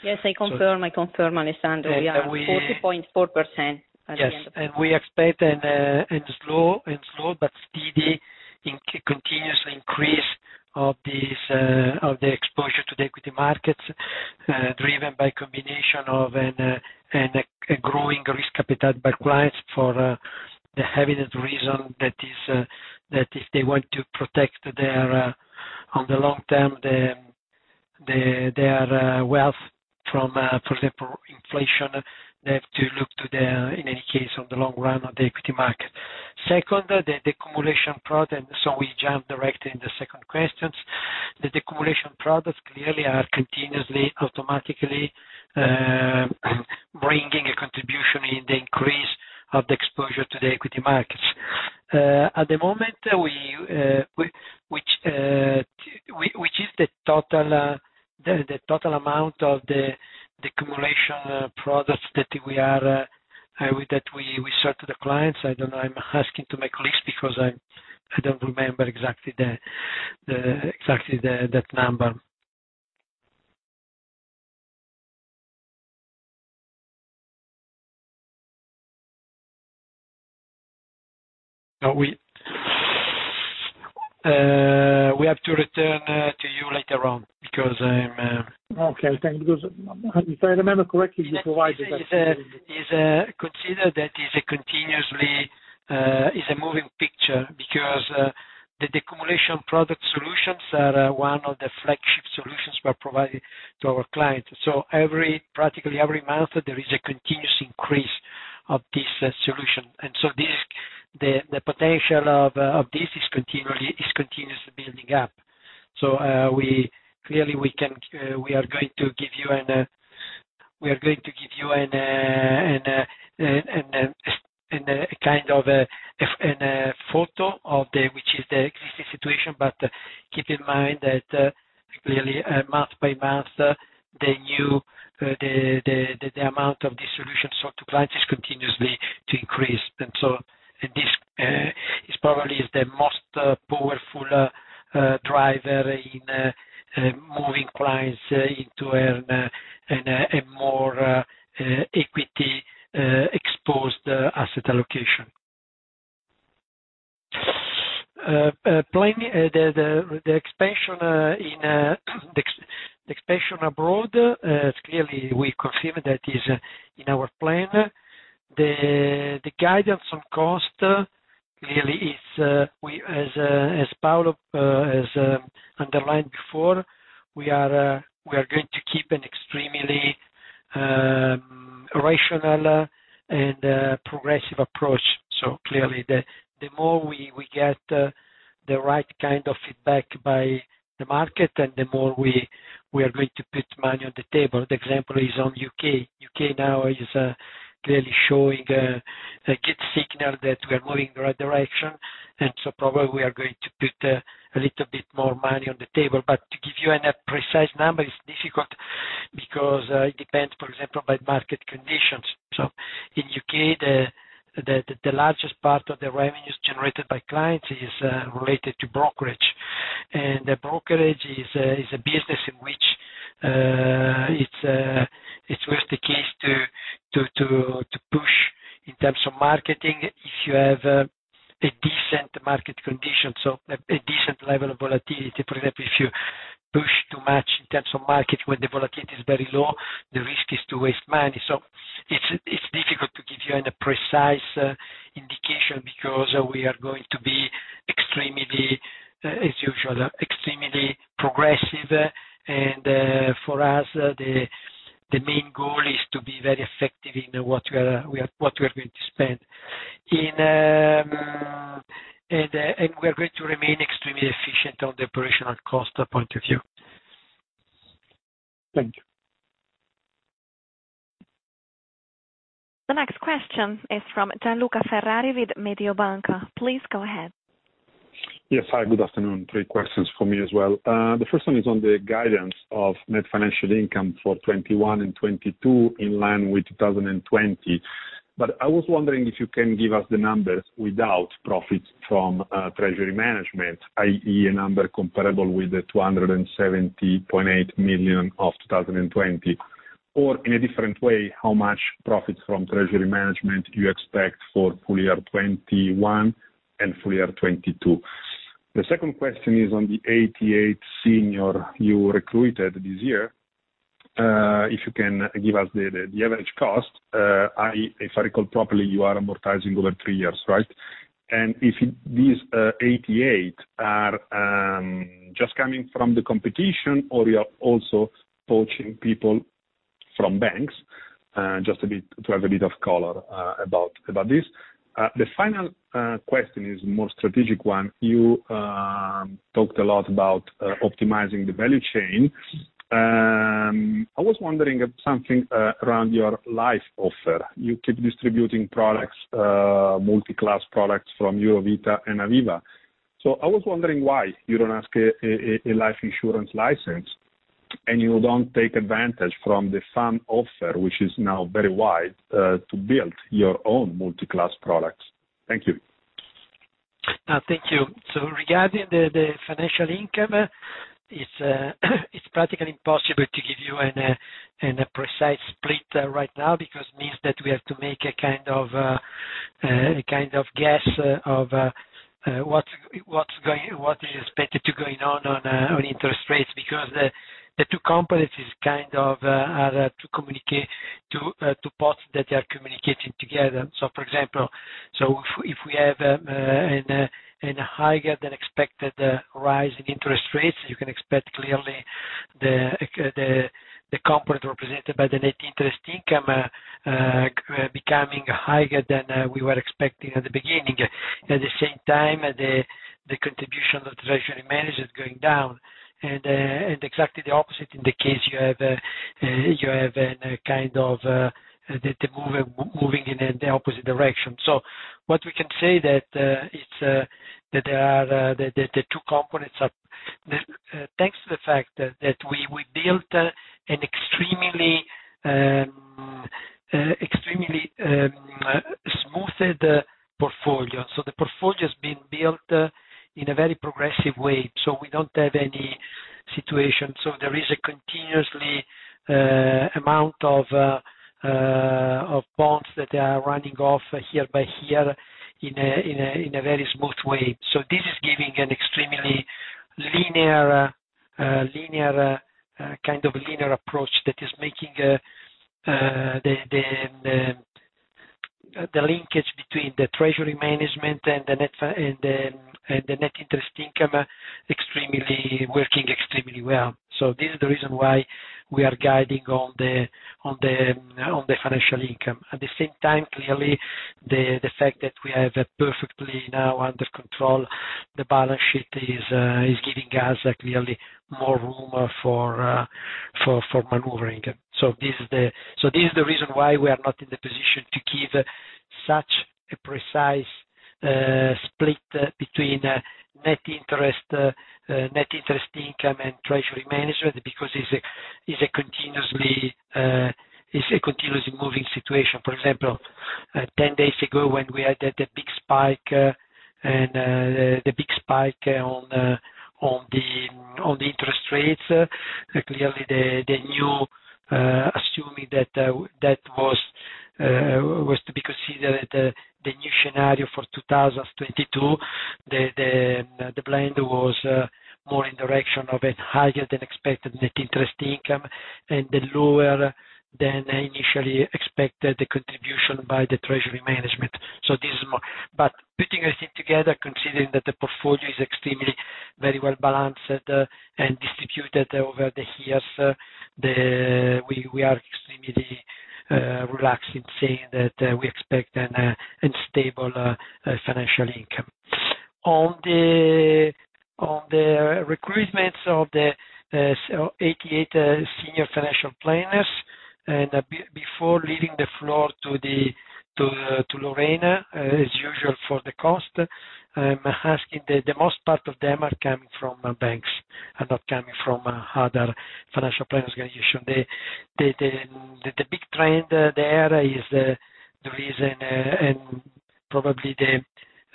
Yes, I confirm, Alessandro. We are at 40.4%. Yes. We expect a slow but steady continuous increase of this of the exposure to the equity markets, driven by combination of a growing risk appetite by clients for the evident reason that is that if they want to protect their on the long term their wealth from for example inflation, they have to look to the in any case on the long run of the equity market. Second, the decumulation product. We jump directly in the second questions. The decumulation products clearly are continuously automatically bringing a contribution in the increase of the exposure to the equity markets. At the moment, which is the total amount of the decumulation products that we show to the clients. I don't know. I'm asking to my colleagues because I don't remember exactly that number. We have to return to you later on because I'm Okay, thank you. Because if I remember correctly, you provided that. Consider that is a continuously moving picture because the decumulation product solutions are one of the flagship solutions we are providing to our clients. Practically every month, there is a continuous increase of this solution. This, the potential of this is continuously building up. Clearly, we are going to give you a kind of a photo of the, which is the existing situation. Keep in mind that, clearly, month by month, the new, the amount of this solution sold to clients is continuously to increase. This is probably the most powerful driver in moving clients into a more equity exposed asset allocation. Planning the expansion abroad, clearly we confirm that is in our plan. The guidance on cost clearly is, as Paolo has underlined before, we are going to keep an extremely rational and progressive approach. Clearly the more we get the right kind of feedback from the market, and the more we are going to put money on the table. The example is on U.K. U.K. now is clearly showing a good signal that we are moving the right direction. Probably we are going to put a little bit more money on the table. But to give you a precise number is difficult because it depends, for example, on market conditions. In U.K., the largest part of the revenues generated by clients is related to brokerage. The brokerage is a business in which it's worth it to push in terms of marketing if you have a decent market condition, a decent level of volatility. For example, if you push too much in terms of marketing when the volatility is very low, the risk is to waste money. It's difficult to give you any precise indication because we are going to be extremely, as usual, progressive. For us, the main goal is to be very effective in what we are going to spend. We're going to remain extremely efficient on the operational cost point of view. Thank you. The next question is from Gianluca Ferrari with Mediobanca. Please go ahead. Yes. Hi, good afternoon. Three questions for me as well. The first one is on the guidance of net financial income for 2021 and 2022 in line with 2020. I was wondering if you can give us the numbers without profits from treasury management, i.e. a number comparable with the 270.8 million of 2020. Or in a different way, how much profits from treasury management you expect for full year 2021 and full year 2022. The second question is on the 88 senior you recruited this year. If you can give us the average cost, i.e. if I recall properly, you are amortizing over 3 years, right? If these 88 are just coming from the competition or you are also poaching people from banks, just a bit to have a bit of color about this. The final question is more strategic one. You talked a lot about optimizing the value chain. I was wondering something around your life offer. You keep distributing products, multi-class products from Eurovita and Aviva. So I was wondering why you don't ask a life insurance license, and you don't take advantage from the fund offer, which is now very wide, to build your own multi-class products. Thank you. Thank you. Regarding the financial income, it's practically impossible to give you a precise split right now because it means that we have to make a kind of guess of what is expected to go on interest rates. Because the 2 components are kind of communicating to 2 parts that they are communicating together. For example, if we have a higher than expected rise in interest rates, you can expect clearly the component represented by the net interest income becoming higher than we were expecting at the beginning. At the same time, the contribution of treasury management going down. Exactly the opposite in the case you have a kind of the moving in the opposite direction. What we can say that it's that there are the 2 components are. Thanks to the fact that we built an extremely smoothed portfolio. The portfolio has been built in a very progressive way. We don't have any situation. There is a continuous amount of bonds that are running off year by year in a very smooth way. This is giving an extremely linear kind of approach that is making the linkage between the treasury management and the net interest income working extremely well. This is the reason why we are guiding on the financial income. At the same time, clearly, the fact that we have perfectly now under control the balance sheet is giving us clearly more room for maneuvering. This is the reason why we are not in the position to give such a precise split between net interest income and treasury management, because it's a continuously moving situation. For example, 10 days ago when we had the big spike on the interest rates, clearly the new scenario assuming that that was to be considered the new scenario for 2022. The plan was more in direction of a higher than expected net interest income and the lower than initially expected contribution by the treasury management. This is more. Putting everything together, considering that the portfolio is extremely very well balanced and distributed over the years, we are extremely relaxed in saying that we expect an unstable financial income. On the recruitments of the 88 senior financial planners, and before leaving the floor to Lorena, as usual for the cost, I'm asking the most part of them are coming from banks, are not coming from other financial planners. They, the big trend there is probably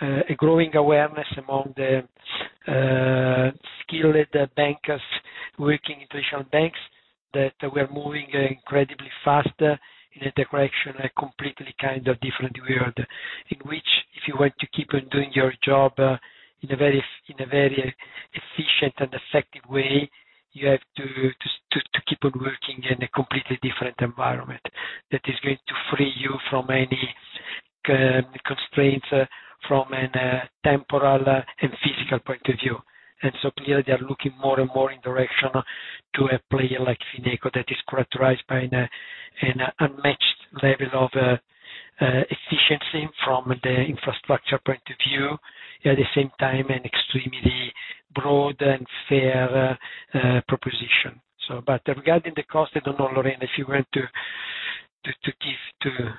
a growing awareness among the skilled bankers working in traditional banks that we're moving incredibly fast in a direction, a completely kind of different world, in which if you want to keep on doing your job in a very efficient and effective way, you have to keep on working in a completely different environment that is going to free you from any constraints from a temporal and physical point of view. Clearly they are looking more and more in direction to a player like Fineco that is characterized by an unmatched level of efficiency from the infrastructure point of view, at the same time, an extremely broad and fair proposition. But regarding the cost, I don't know, Lorena, if you want to give to.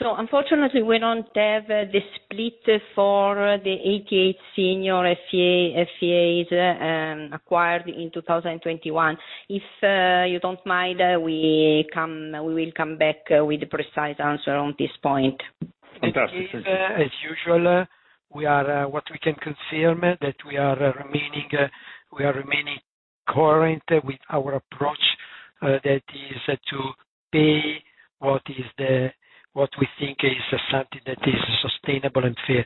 Unfortunately, we don't have the split for the 88 senior FC-FCAs acquired in 2021. If you don't mind, we will come back with a precise answer on this point. As usual, we can confirm that we are remaining current with our approach, that is to pay what we think is something that is sustainable and fair.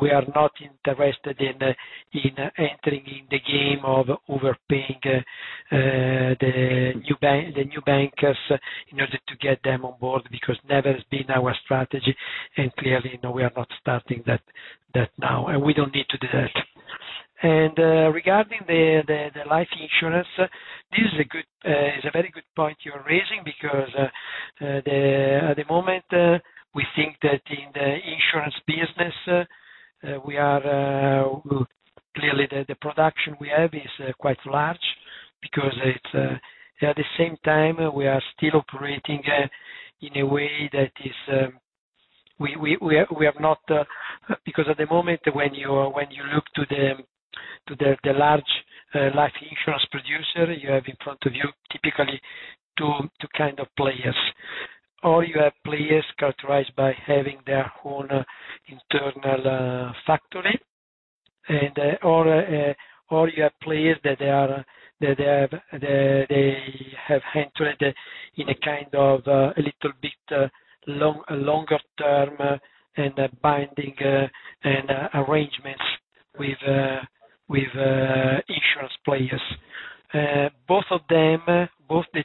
We are not interested in entering in the game of overpaying the new bankers in order to get them on board, because never has been our strategy, and clearly, no, we are not starting that now, and we don't need to do that. Regarding the life insurance, this is a very good point you're raising because at the moment we think that in the insurance business we are clearly the production we have is quite large because it's at the same time we are still operating in a way that is we have not. When you look to the large life insurance producer, you have in front of you typically 2 kind of players. You have players characterized by having their own internal factory, or you have players that have entered in a kind of a little bit longer-term and binding arrangements with insurance players. Both of them, both the 2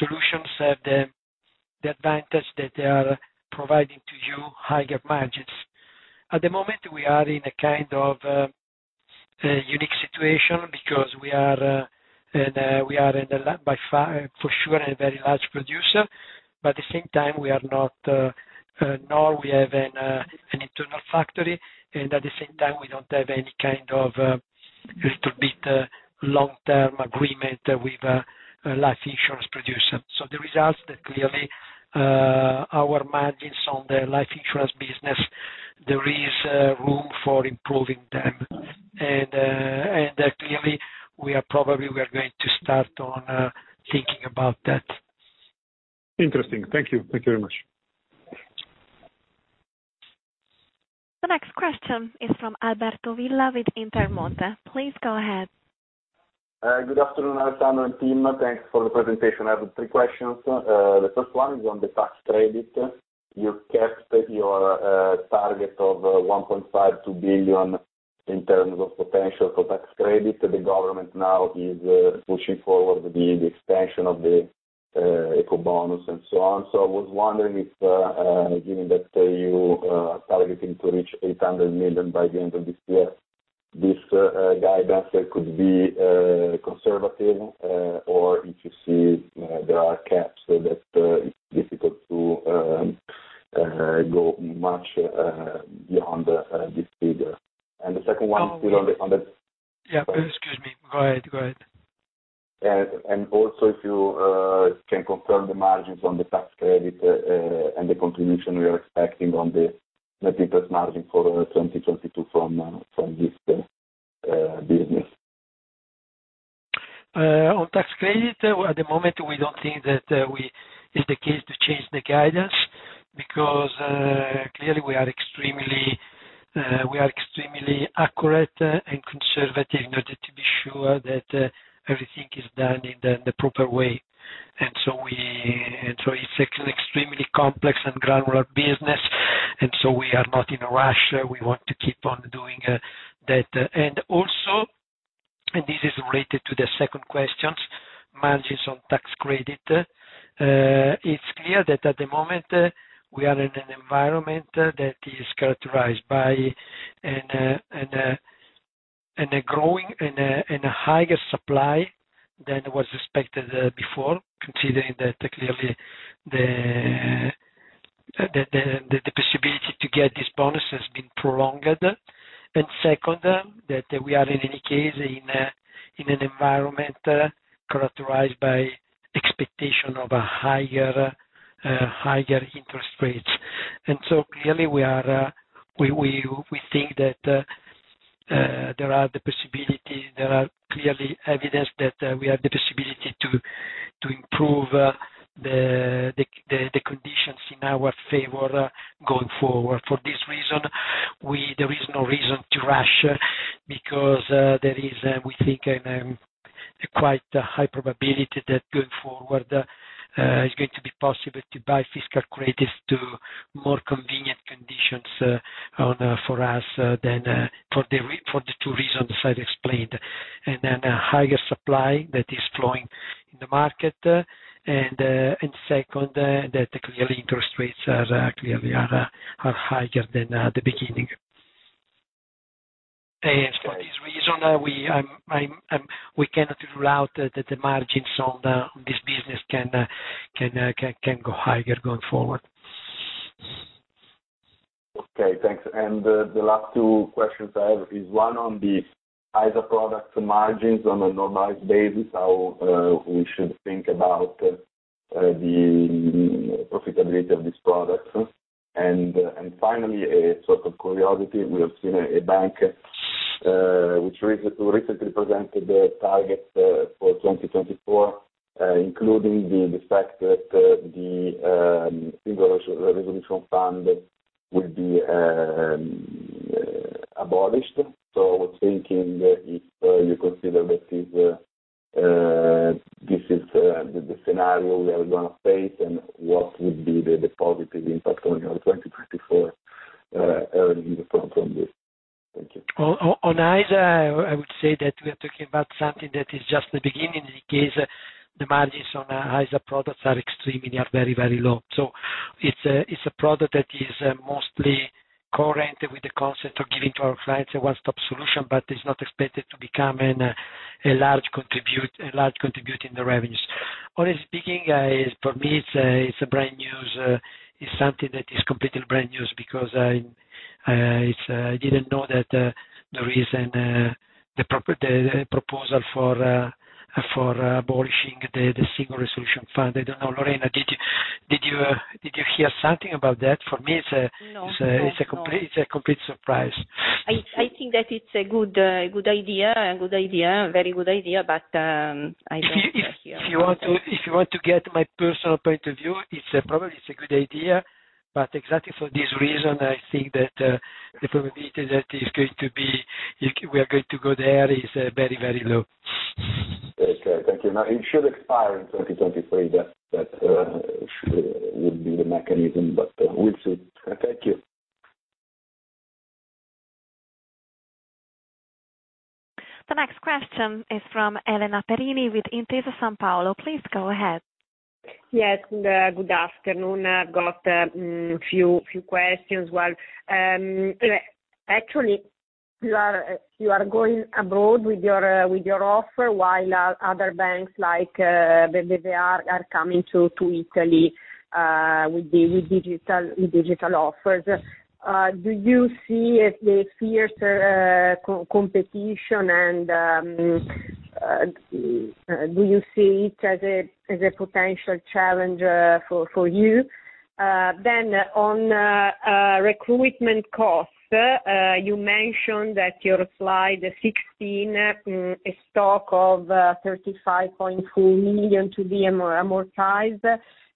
solutions have the advantage that they are providing to you higher margins. At the moment we are in a kind of a unique situation because we are a large, by far, for sure, a very large producer, but at the same time, we are not, nor we have an internal factory, and at the same time we don't have any kind of L agreement with a life insurance producer. The results that clearly our margins on the life insurance business, there is room for improving them. Clearly we are going to start on thinking about that. Interesting. Thank you. Thank you very much. The next question is from Alberto Villa with Intermonte. Please go ahead. Good afternoon, Alessandro and team. Thanks for the presentation. I have 3 questions. The first one is on the tax credit. You kept your target of 1.52 billion in terms of potential for tax credit. The government now is pushing forward the expansion of the Ecobonus and so on. I was wondering if, given that, you are targeting to reach 800 million by the end of this year, this guidance could be conservative or if you see there are caps so that it's difficult to go much beyond this figure. The second one is still on the- Yeah. Excuse me. Go ahead. Also, if you can confirm the margins on the tax credit and the contribution we are expecting on the net interest margin for 2022 from this business? On tax credits, at the moment we don't think that it's the case to change the guidance because clearly we are extremely accurate and conservative in order to be sure that everything is done in the proper way. It's extremely complex and granular business, and we are not in a rush. We want to keep on doing that. This is related to the second question, margins on tax credits. It's clear that at the moment we are in an environment that is characterized by a growing and a higher supply than was expected before, considering that clearly the possibility to get this bonus has been prolonged. Second, that we are in any case in an environment characterized by expectation of a higher interest rates. Clearly we think that there is clear evidence that we have the possibility to improve the conditions in our favor going forward. For this reason, there is no reason to rush because we think there is quite a high probability that going forward it's going to be possible to buy fiscal credits to more convenient conditions for us than for the 2 reasons I explained. A higher supply that is flowing in the market, and second, that clearly interest rates are higher than the beginning. For this reason, we cannot rule out that the margins on this business can go higher going forward. Okay. Thanks. The last 2 questions I have is one on the other product margins on a normalized basis, how we should think about the profitability of this product. Finally, a sort of curiosity. We have seen a bank which recently presented the targets for 2024, including the fact that the Single Resolution Fund will be abolished. I was thinking if you consider that this is the scenario we are gonna face and what would be the positive impact on your 2024 earnings from this. Thank you. On ISA, I would say that we are talking about something that is just the beginning. In any case, the margins on ISA products are very, very low. It's a product that is mostly correlated with the concept of giving to our clients a one-stop solution, but is not expected to become a large contributor in the revenues. Honestly speaking, for me, it's something that is completely brand new because I didn't know that there is the proposal for abolishing the Single Resolution Fund. I don't know. Lorena, did you hear something about that? For me, it's a- No. It's a complete surprise. I think that it's a good idea. Very good idea. I don't hear. If you want to get my personal point of view, it's probably a good idea. Exactly for this reason, I think that the probability that is going to be if we are going to go there is very, very low. Okay. Thank you. Now, it should expire in 2023. That would be the mechanism. But we'll see. Thank you. The next question is from Elena Perini with Intesa Sanpaolo. Please go ahead. Yes. Good afternoon. I've got few questions. Well, actually, you are going abroad with your offer while other banks like BBVA are coming to Italy with digital offers. Do you see a fierce competition and do you see it as a potential challenge for you? Then on recruitment costs, you mentioned that your slide 16, a stock of 35.4 million to be amortized.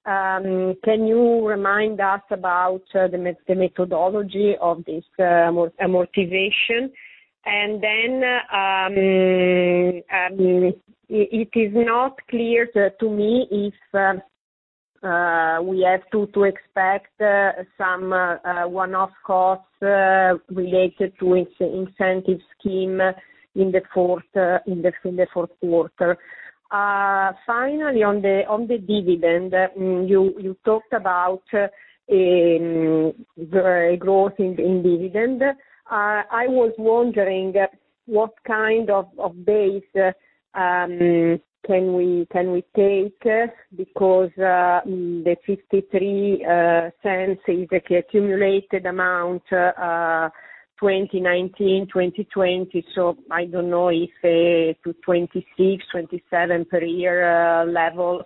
Can you remind us about the methodology of this amortization? Then it is not clear to me if we have to expect some one-off costs related to incentive scheme in the fourth 1/4. Finally, on the dividend, you talked about growth in dividend. I was wondering what kind of base can we take because the 0.53 is accumulated amount, 2019, 2020. So I don't know if to 0.26, 0.27 per year level,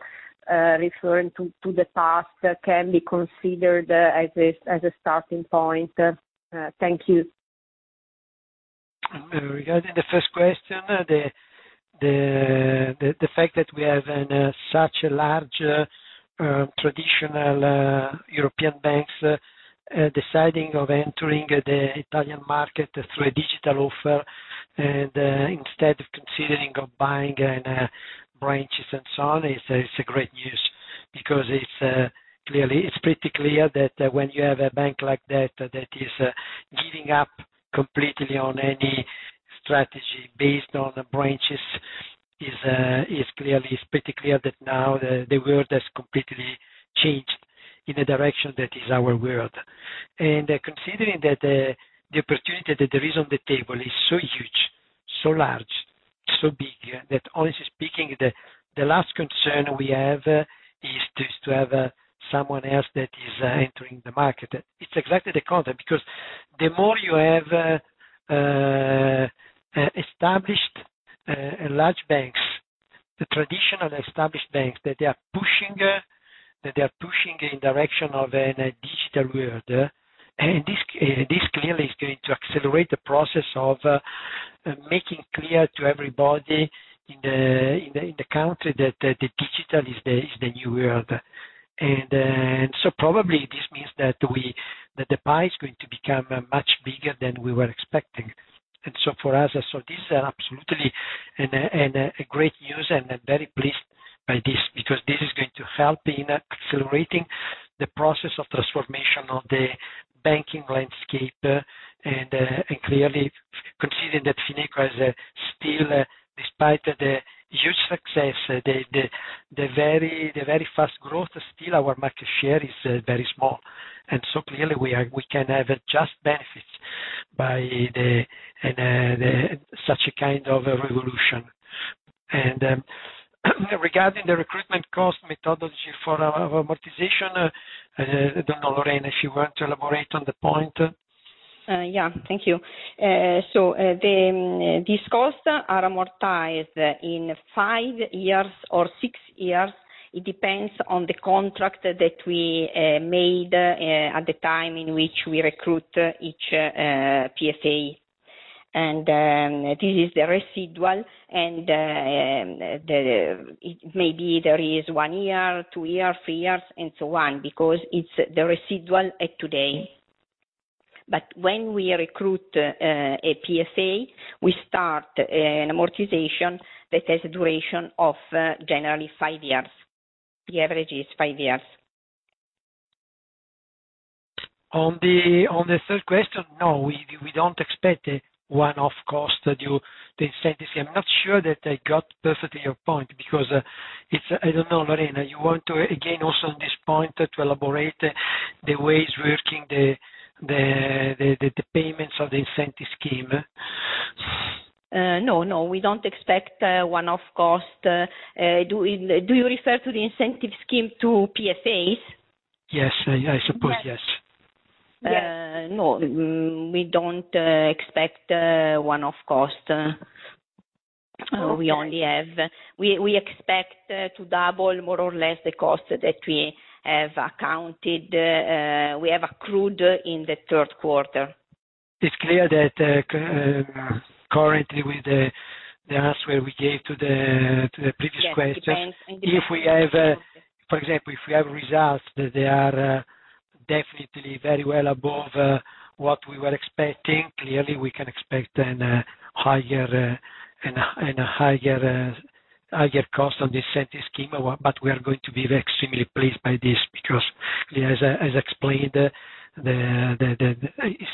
referring to the past can be considered as a starting point. Thank you. Regarding the first question, the fact that we have such a large traditional European banks deciding to enter the Italian market through a digital offer and instead of considering buying branches and so on is great news because it's pretty clear that when you have a bank like that that is giving up completely on any strategy based on the branches it is pretty clear that now the world has completely changed in a direction that is our world. Considering that the opportunity that there is on the table is so huge so large so big that honestly speaking the last concern we have is to have someone else entering the market. It's exactly the contrary, because the more you have established large banks, the traditional established banks, that they are pushing in direction of a digital world. This clearly is going to accelerate the process of making clear to everybody in the country that the digital is the new world. Probably this means that the pie is going to become much bigger than we were expecting. For us, this is absolutely a great news and I'm very pleased by this because this is going to help in accelerating the process of transformation of the banking landscape. Clearly considering that Fineco is still, despite the huge success, the very fast growth, still our market share is very small. Clearly we can have just benefits by the such a kind of a revolution. Regarding the recruitment cost methodology for our amortization, I don't know, Lorena, if you want to elaborate on the point. These costs are amortized in 5 years or 6 years. It depends on the contract that we made at the time in which we recruit each PFA. This is the residual and it may be there is 1 year, 2 year, 3 years, and so on, because it's the residual at today. When we recruit a PFA, we start an amortization that has a duration of generally 5 years. The average is 5 years. On the 1/3 question, no, we don't expect a one-off cost. I'm not sure that I got perfectly your point because it's. I don't know, Lorena, you want to again also on this point to elaborate the way it's working, the payments of the incentive scheme? No, we don't expect a one-off cost. Do you refer to the incentive scheme to PFAs? Yes. I suppose yes. Yes. No. We don't expect one-off cost. We expect to double more or less the cost that we have accounted, we have accrued in the 1/3 1/4. It's clear that, currently with the answer we gave to the previous question. Yes, depends. If we have results that they are definitely very well above what we were expecting, clearly we can expect a higher cost on the incentive scheme. We are going to be extremely pleased by this because as I explained, the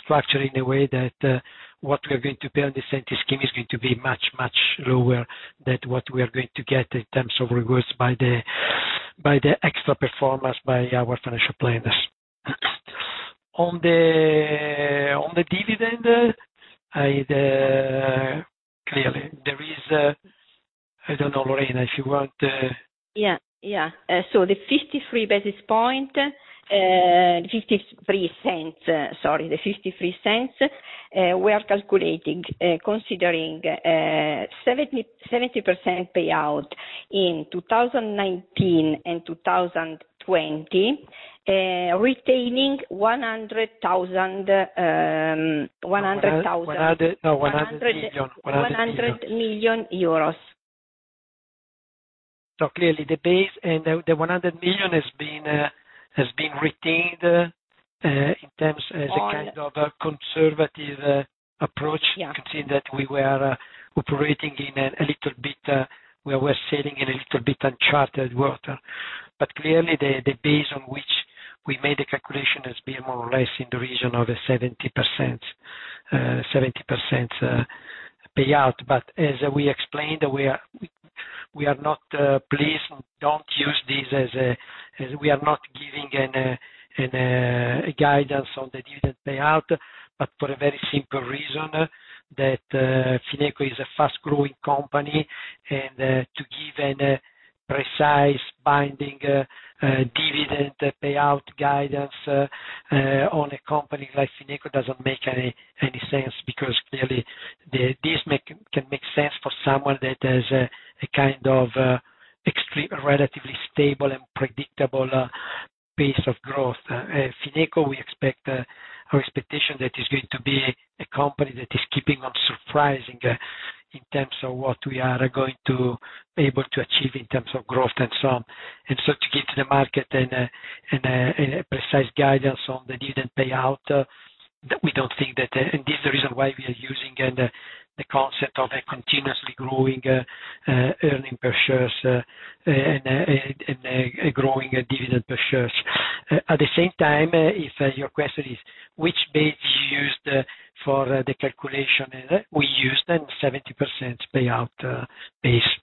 structure in the way that what we are going to pay on the incentive scheme is going to be much lower than what we are going to get in terms of rewards by the extra performance by our financial planners. On the dividend, clearly there is. I don't know, Lorena, if you want The 0.53 we are calculating considering 70% payout in 2019 and 2020, retaining 100,000 No, 100 million euros. EUR 100 million. Clearly the base and the 100 million has been retained in terms as a kind of a conservative approach. Yeah. Considering that we were operating in a little bit, we were sailing in a little bit uncharted water. Clearly the base on which we made the calculation has been more or less in the region of a 70% payout. As we explained, we are not pleased. Don't use this as a guidance on the dividend payout, but for a very simple reason, that Fineco is a fast-growing company, and to give a precise binding dividend payout guidance on a company like Fineco doesn't make any sense, because clearly this can make sense for someone that has a kind of relatively stable and predictable base of growth. Fineco, we expect our expectation that is going to be a company that is keeping on surprising in terms of what we are going to able to achieve in terms of growth and so on. To give to the market a precise guidance on the dividend payout, that we don't think that. This is the reason why we are using the concept of a continuously growing earnings per share and growing dividend per share. At the same time, if your question is which base you used for the calculation, we used 70% payout base.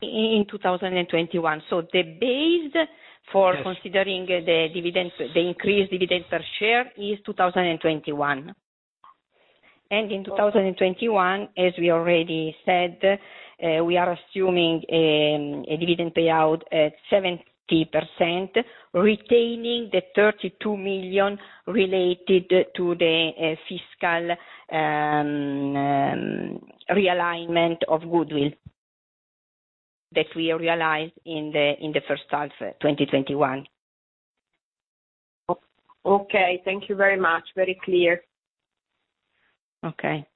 In 2 thousand and twenty-one. So the base for- Yes. Considering the dividend, the increased dividend per share in 2021. In 2021, as we already said, we are assuming a dividend payout at 70%, retaining the 32 million related to the fiscal realignment of goodwill that we realized in the first 1/2 of 2021. Okay. Thank you very much. Very clear. Okay.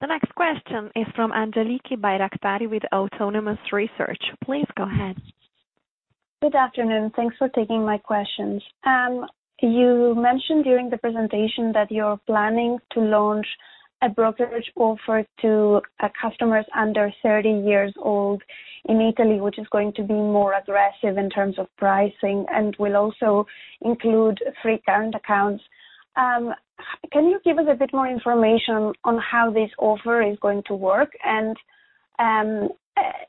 The next question is from Angeliki Bairaktari with Autonomous Research. Please go ahead. Good afternoon. Thanks for taking my questions. You mentioned during the presentation that you're planning to launch a brokerage offer to customers under 30 years old in Italy, which is going to be more aggressive in terms of pricing and will also include free current accounts. Can you give us a bit more information on how this offer is going to work?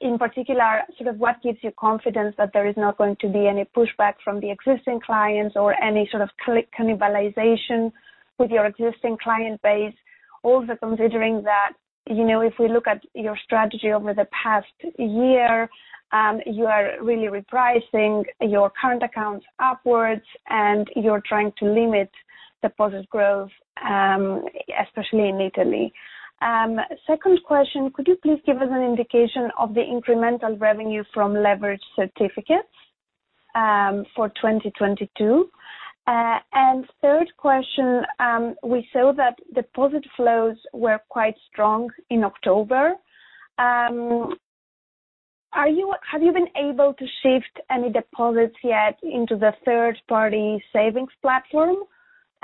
In particular, sort of what gives you confidence that there is not going to be any pushback from the existing clients or any sort of cannibalization with your existing client base, also considering that, you know, if we look at your strategy over the past year, you are really repricing your current accounts upwards, and you're trying to limit deposit growth, especially in Italy. Second question, could you please give us an indication of the incremental revenue from leveraged certificates for 2022? Third question, we saw that deposit flows were quite strong in October. Have you been able to shift any deposits yet into the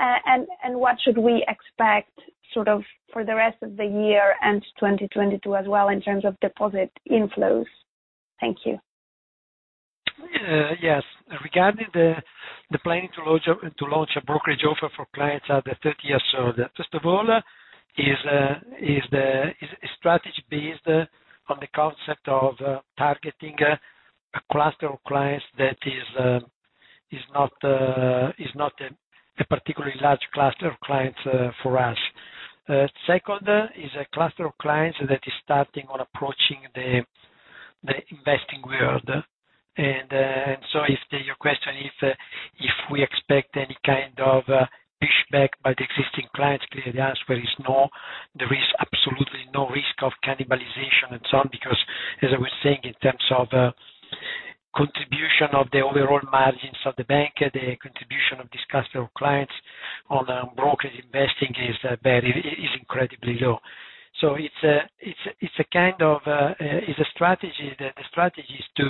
1/3-party savings platform? What should we expect sort of for the rest of the year and 2022 as well in terms of deposit inflows? Thank you. Yes. Regarding the planning to launch a brokerage offer for clients under 30 years old. First of all, it is a strategy based on the concept of targeting a cluster of clients that is not a particularly large cluster of clients for us. Second, it is a cluster of clients that is starting to approach the investing world. If your question is if we expect any kind of pushback by the existing clients, clearly the answer is no. There is absolutely no risk of cannibalization and so on, because as I was saying, in terms of contribution of the overall margins of the bank, the contribution of this cluster of clients on brokerage investing is incredibly low. It's a kind of strategy. The strategy is to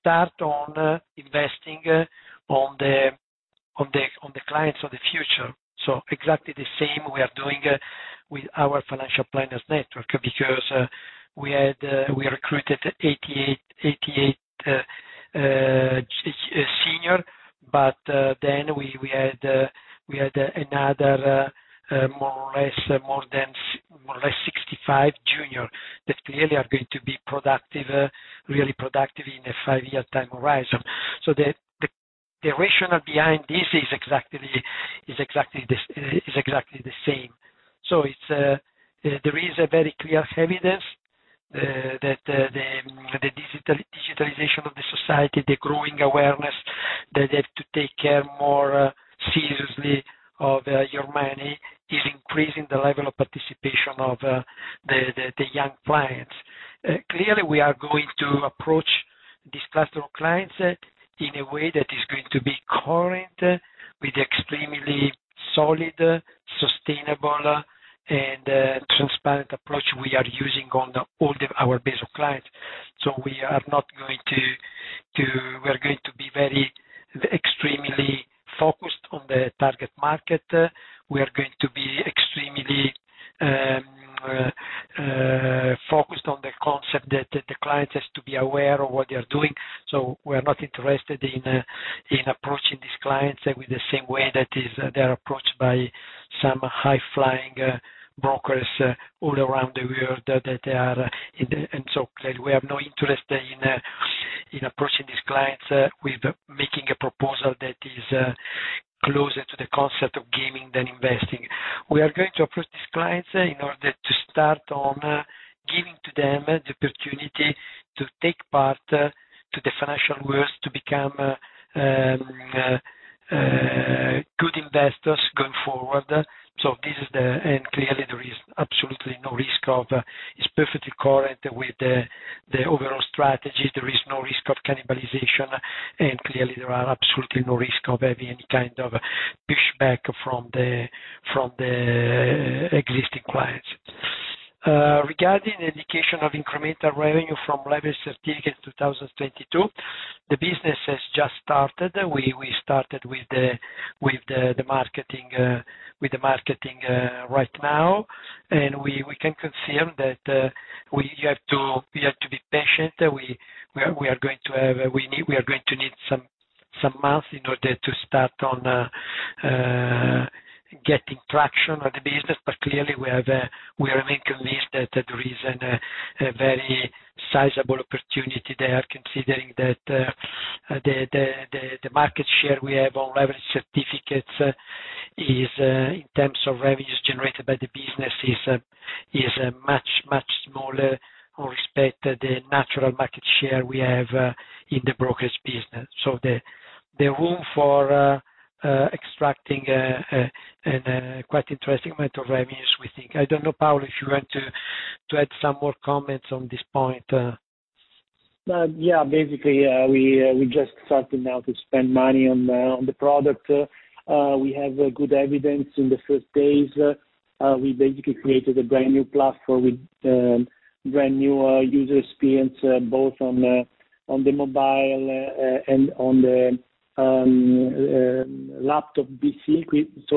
start investing in the clients of the future. Exactly the same we are doing with our financial planners network. Because we recruited 88 senior, but then we had another more or less 65 junior that clearly are going to be productive, really productive in a 5-year time horizon. The rationale behind this is exactly the same. There is a very clear evidence that the digitalization of the society, the growing awareness that they have to take care more seriously of your money, is increasing the level of participation of the young clients. Clearly, we are going to approach this cluster of clients in a way that is going to be current with extremely solid, sustainable and transparent approach we are using on all our base of clients. We are not going to. We are going to be very extremely focused on the target market. We are going to be extremely focused on the concept that the client has to be aware of what they are doing. We're not interested in approaching these clients in the same way that they're approached by some high-flying brokers all around the world. Clearly, we have no interest in approaching these clients with making a proposal that is closer to the concept of gaming than investing. We are going to approach these clients in order to start on giving to them the opportunity to take part to the financial world, to become good investors going forward. Clearly, there is absolutely no risk of. It's perfectly current with the overall strategy. There is no risk of cannibalization, and clearly, there are absolutely no risk of having any kind of pushback from the existing clients. Regarding the indication of incremental revenue from leveraged certificates 2022, the business has just started. We started with the marketing right now. We can confirm that you have to be patient. We are going to need some months in order to start getting traction on the business. Clearly, we remain convinced that there is a very sizable opportunity there, considering that the market share we have on leveraged certificates is, in terms of revenues generated by the business, much smaller with respect to the natural market share we have in the brokerage business. The room for extracting a quite interesting amount of revenues, we think. I don't know, Paolo, if you want to add some more comments on this point. Yeah. Basically, we just starting now to spend money on the product. We have good evidence in the first days. We basically created a brand new platform with brand new user experience both on the mobile and on the laptop PC. It's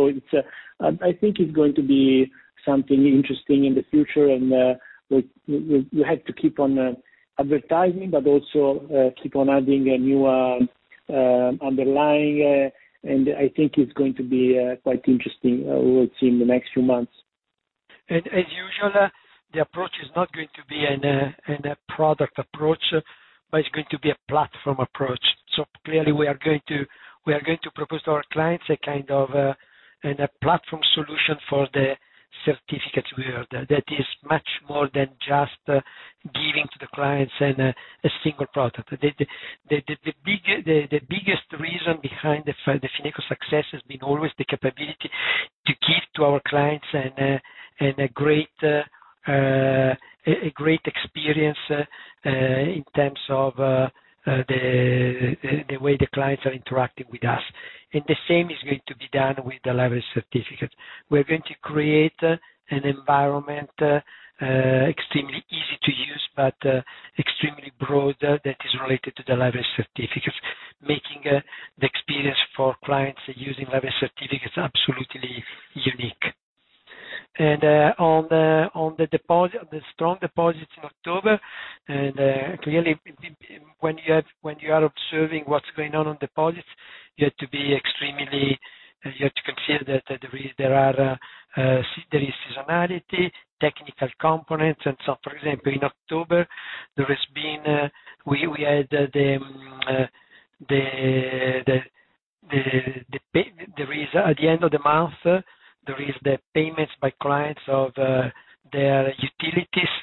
going to be something interesting in the future. We have to keep on advertising, but also keep on adding a new underlying. I think it's going to be quite interesting. We will see in the next few months. As usual, the approach is not going to be a product approach, but it's going to be a platform approach. Clearly, we are going to propose to our clients a kind of platform solution for the certificates we have. That is much more than just giving to the clients a single product. The biggest reason behind the Fineco success has been always the capability to give to our clients a great experience in terms of the way the clients are interacting with us. The same is going to be done with the leveraged certificate. We're going to create an environment, extremely easy to use but, extremely broad, that is related to the leveraged certificates, making the experience for clients using leveraged certificates absolutely unique. On the deposits, the strong deposits in October, clearly, when you are observing what's going on on deposits, you have to consider that there is seasonality, technical components. For example, in October, there is, at the end of the month, there is the payments by clients of their utilities.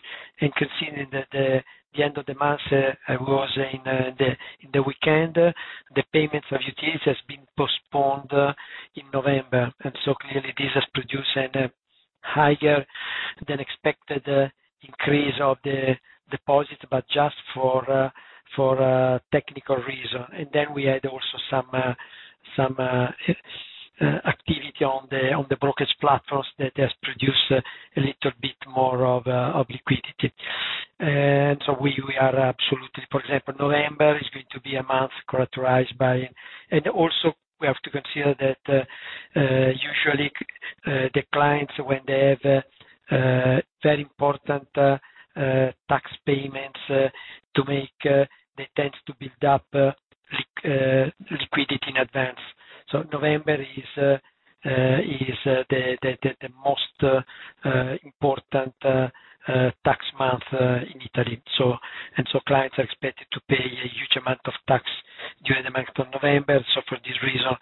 Considering that the end of the month was in the weekend, the payments of utilities has been postponed in November. Clearly, this has produced a higher than expected increase of the deposits, but just for technical reason. We had also some activity on the brokerage platforms that has produced a little bit more of liquidity. We have to consider that usually the clients, when they have very important tax payments to make, they tend to build up liquidity in advance. November is the most important tax month in Italy. Clients are expected to pay a huge amount of tax during the month of November. For this reason,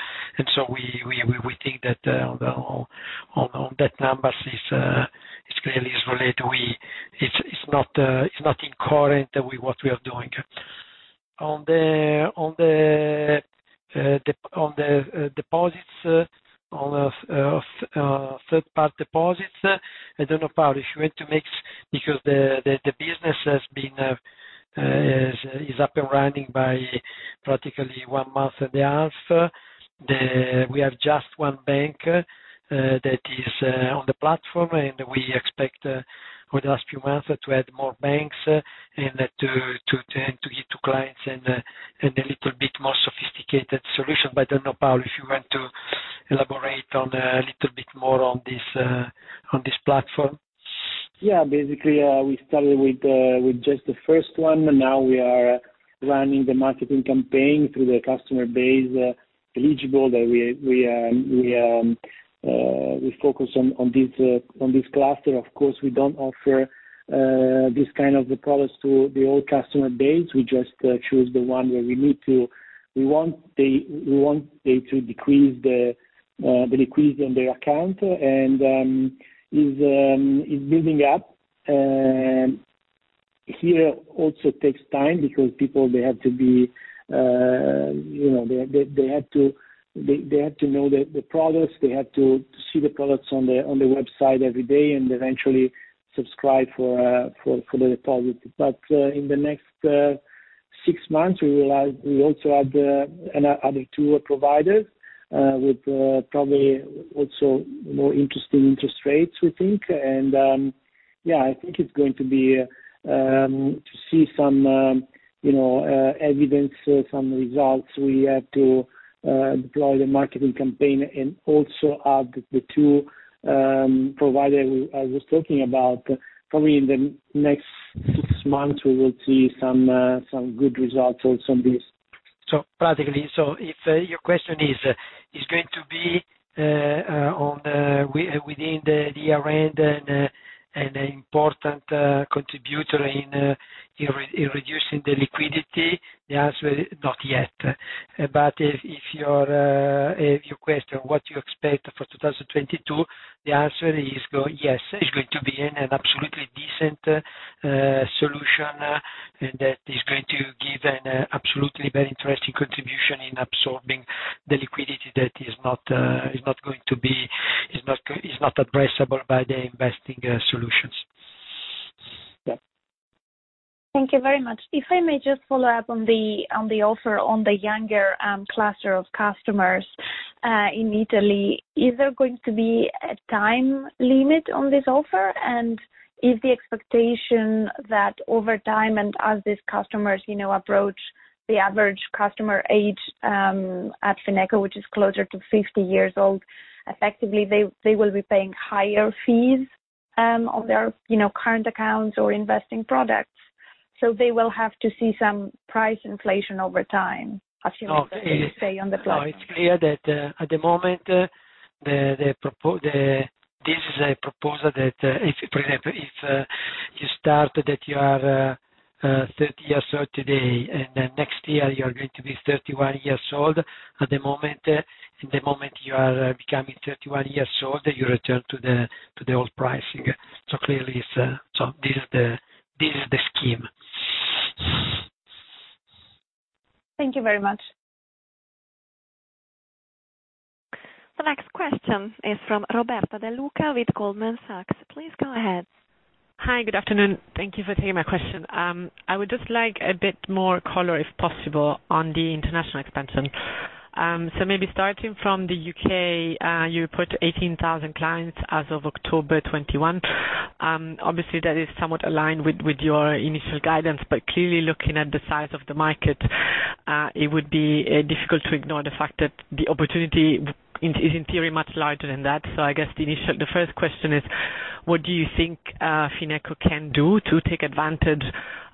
we think that number is clearly related. It's not in line with what we are doing. On the deposits, on 1/3 party deposits, I don't know, Paolo, if you want to make. Because the business has been up and running for practically one month and a 1/2. We have just one bank that is on the platform, and we expect over the next few months to add more banks and to give to clients a little bit more sophisticated solution. I don't know, Paolo, if you want to elaborate a little bit more on this platform. Yeah. Basically, we started with just the first one, and now we are running the marketing campaign through the eligible customer base that we focus on this cluster. Of course, we don't offer this kind of the products to the old customer base. We just choose the one where we need to. We want they to decrease the liquidity on their account, and it is building up. It also takes time because people they have to be, you know, they have to know the products. They have to see the products on the website every day, and eventually subscribe for the deposit. In the next 6 months, we also have another 2 providers with probably also more interesting interest rates, we think. I think it's going to be to see some, you know, evidence, some results. We have to deploy the marketing campaign and also add the 2 providers I was talking about. Probably in the next 6 months, we will see some good results on some of these. Practically, if your question is going to be within the year end and an important contributor in reducing the liquidity, the answer is not yet. If you question what you expect for 2022, the answer is yes, it's going to be an absolutely decent solution that is going to give an absolutely very interesting contribution in absorbing the liquidity that is not going to be addressable by the investing solutions. Yeah. Thank you very much. If I may just follow up on the offer on the younger cluster of customers in Italy. Is there going to be a time limit on this offer? And is the expectation that over time, and as these customers, you know, approach the average customer age at Fineco, which is closer to 50 years old, effectively, they will be paying higher fees on their, you know, current accounts or investing products. They will have to see some price inflation over time, assuming they stay on the platform. No, it's clear that at the moment this is a proposal that if you start that you are 30 years old today, and then next year you're going to be 31 years old, at the moment in the moment you are becoming 31 years old, you return to the old pricing. Clearly, it's so this is the scheme. Thank you very much. The next question is from Roberta De Luca with Goldman Sachs. Please go ahead. Hi, good afternoon. Thank you for taking my question. I would just like a bit more color, if possible, on the international expansion. So maybe starting from the U.K., you put 18,000 clients as of October 2021. Obviously, that is somewhat aligned with your initial guidance. Clearly looking at the size of the market, it would be difficult to ignore the fact that the opportunity is in theory much larger than that. I guess the first question is, what do you think Fineco can do to take advantage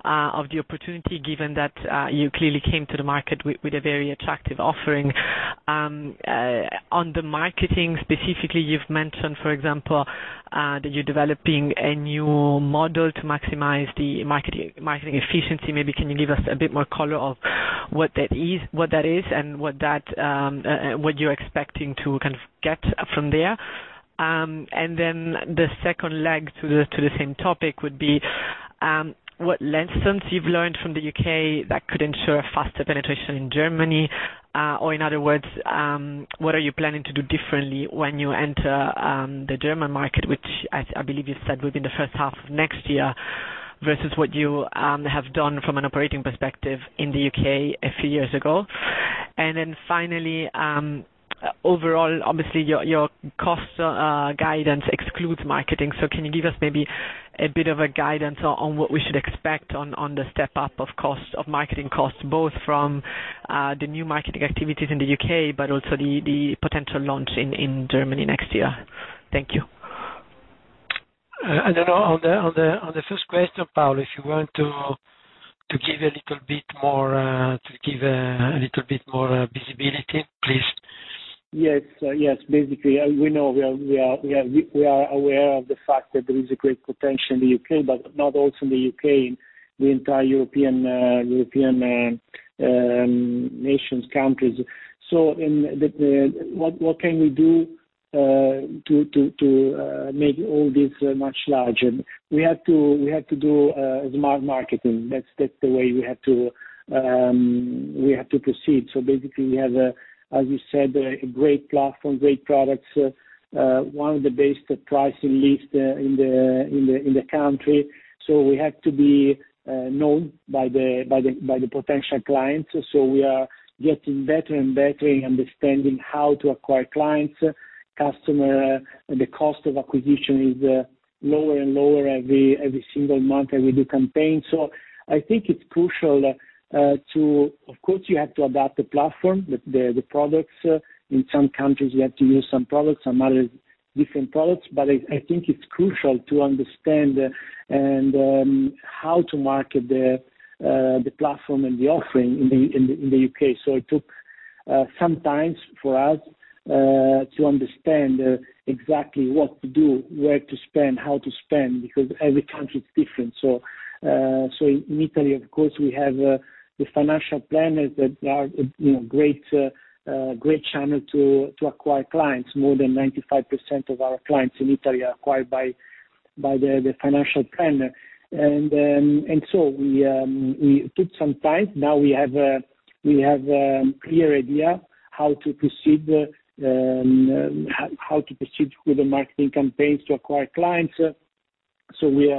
of the opportunity given that you clearly came to the market with a very attractive offering. On the marketing specifically, you've mentioned, for example, that you're developing a new model to maximize the marketing efficiency. Maybe can you give us a bit more color of what that is and what you're expecting to kind of get from there. The second leg to the same topic would be what lessons you've learned from the U.K. that could ensure faster penetration in Germany. In other words, what are you planning to do differently when you enter the German market, which I believe you said would be in the first 1/2 of next year, versus what you have done from an operating perspective in the U.K. a few years ago. Finally, overall, obviously your cost guidance excludes marketing. Can you give us maybe a bit of a guidance on what we should expect on the step-up of cost of marketing costs, both from the new marketing activities in the U.K., but also the potential launch in Germany next year? Thank you. I don't know. On the first question, Paolo, if you want to give a little bit more visibility, please. Yes. Basically, we are aware of the fact that there is a great potential in the U.K., but not only in the U.K., in the entire European nations, countries. What can we do to make all this much larger? We have to do smart marketing. That's the way we have to proceed. Basically, we have, as you said, a great platform, great products, one of the best price lists in the country. We have to be known by the potential clients. We are getting better and better in understanding how to acquire clients, customers. The cost of acquisition is lower and lower every single month as we do campaigns. I think it's crucial. Of course, you have to adapt the platform, the products. In some countries, you have to use some products, some other different products. I think it's crucial to understand how to market the platform and the offering in the U.K. It took some time for us to understand exactly what to do, where to spend, how to spend, because every country is different. In Italy, of course, we have the financial planners that are, you know, great channel to acquire clients. More than 95% of our clients in Italy are acquired by the financial planner. We took some time. Now we have a clear idea how to proceed with the marketing campaigns to acquire clients. As we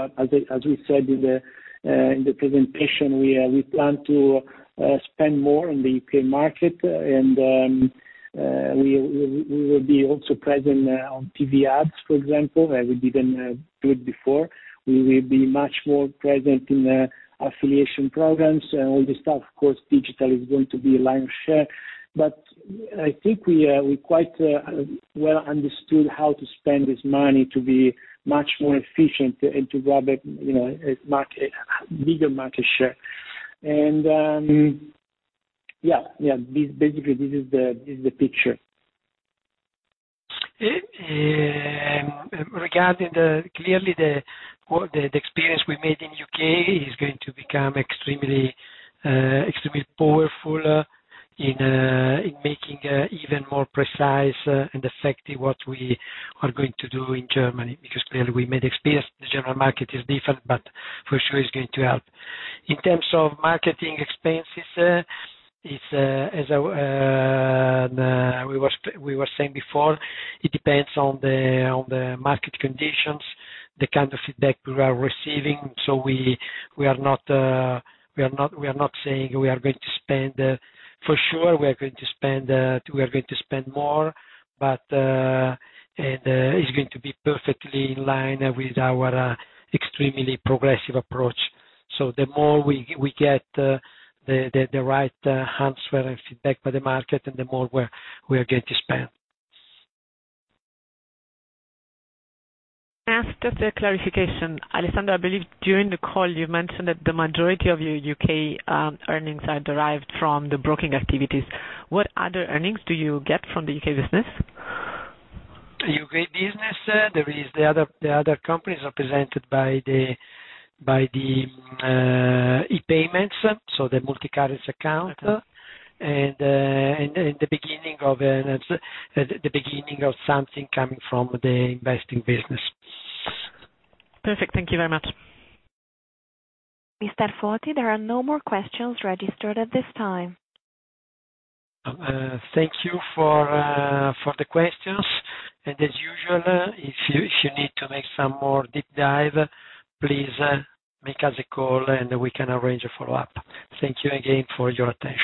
said in the presentation, we plan to spend more in the U.K. market and we will be also present on TV ads, for example, as we didn't do it before. We will be much more present in the affiliate programs and all this stuff. Of course, digital is going to be a lion's share. I think we quite well understood how to spend this money to be much more efficient and to grab a you know, a bigger market share. Basically, this is the picture. Clearly, the experience we made in U.K. is going to become extremely powerful in making even more precise and effective what we are going to do in Germany, because clearly we made experience. The general market is different, but for sure it's going to help. In terms of marketing expenses, it's as we were saying before, it depends on the market conditions, the kind of feedback we are receiving. We are not saying we are going to spend. For sure, we are going to spend more, but it's going to be perfectly in line with our extremely progressive approach. The more we get the right answer and feedback by the market, then the more we're going to spend. Can I ask just a clarification? Alessandro, I believe during the call you mentioned that the majority of your U.K. earnings are derived from the broking activities. What other earnings do you get from the U.K. business? The UK business, there is the other companies represented by the e-payments, so the multi-currency account. Okay. The beginning of something coming from the investing business. Perfect. Thank you very much. Mr. Foti, there are no more questions registered at this time. Thank you for the questions. As usual, if you need to make some more deep dive, please, make us a call and we can arrange a Follow-up. Thank you again for your attention.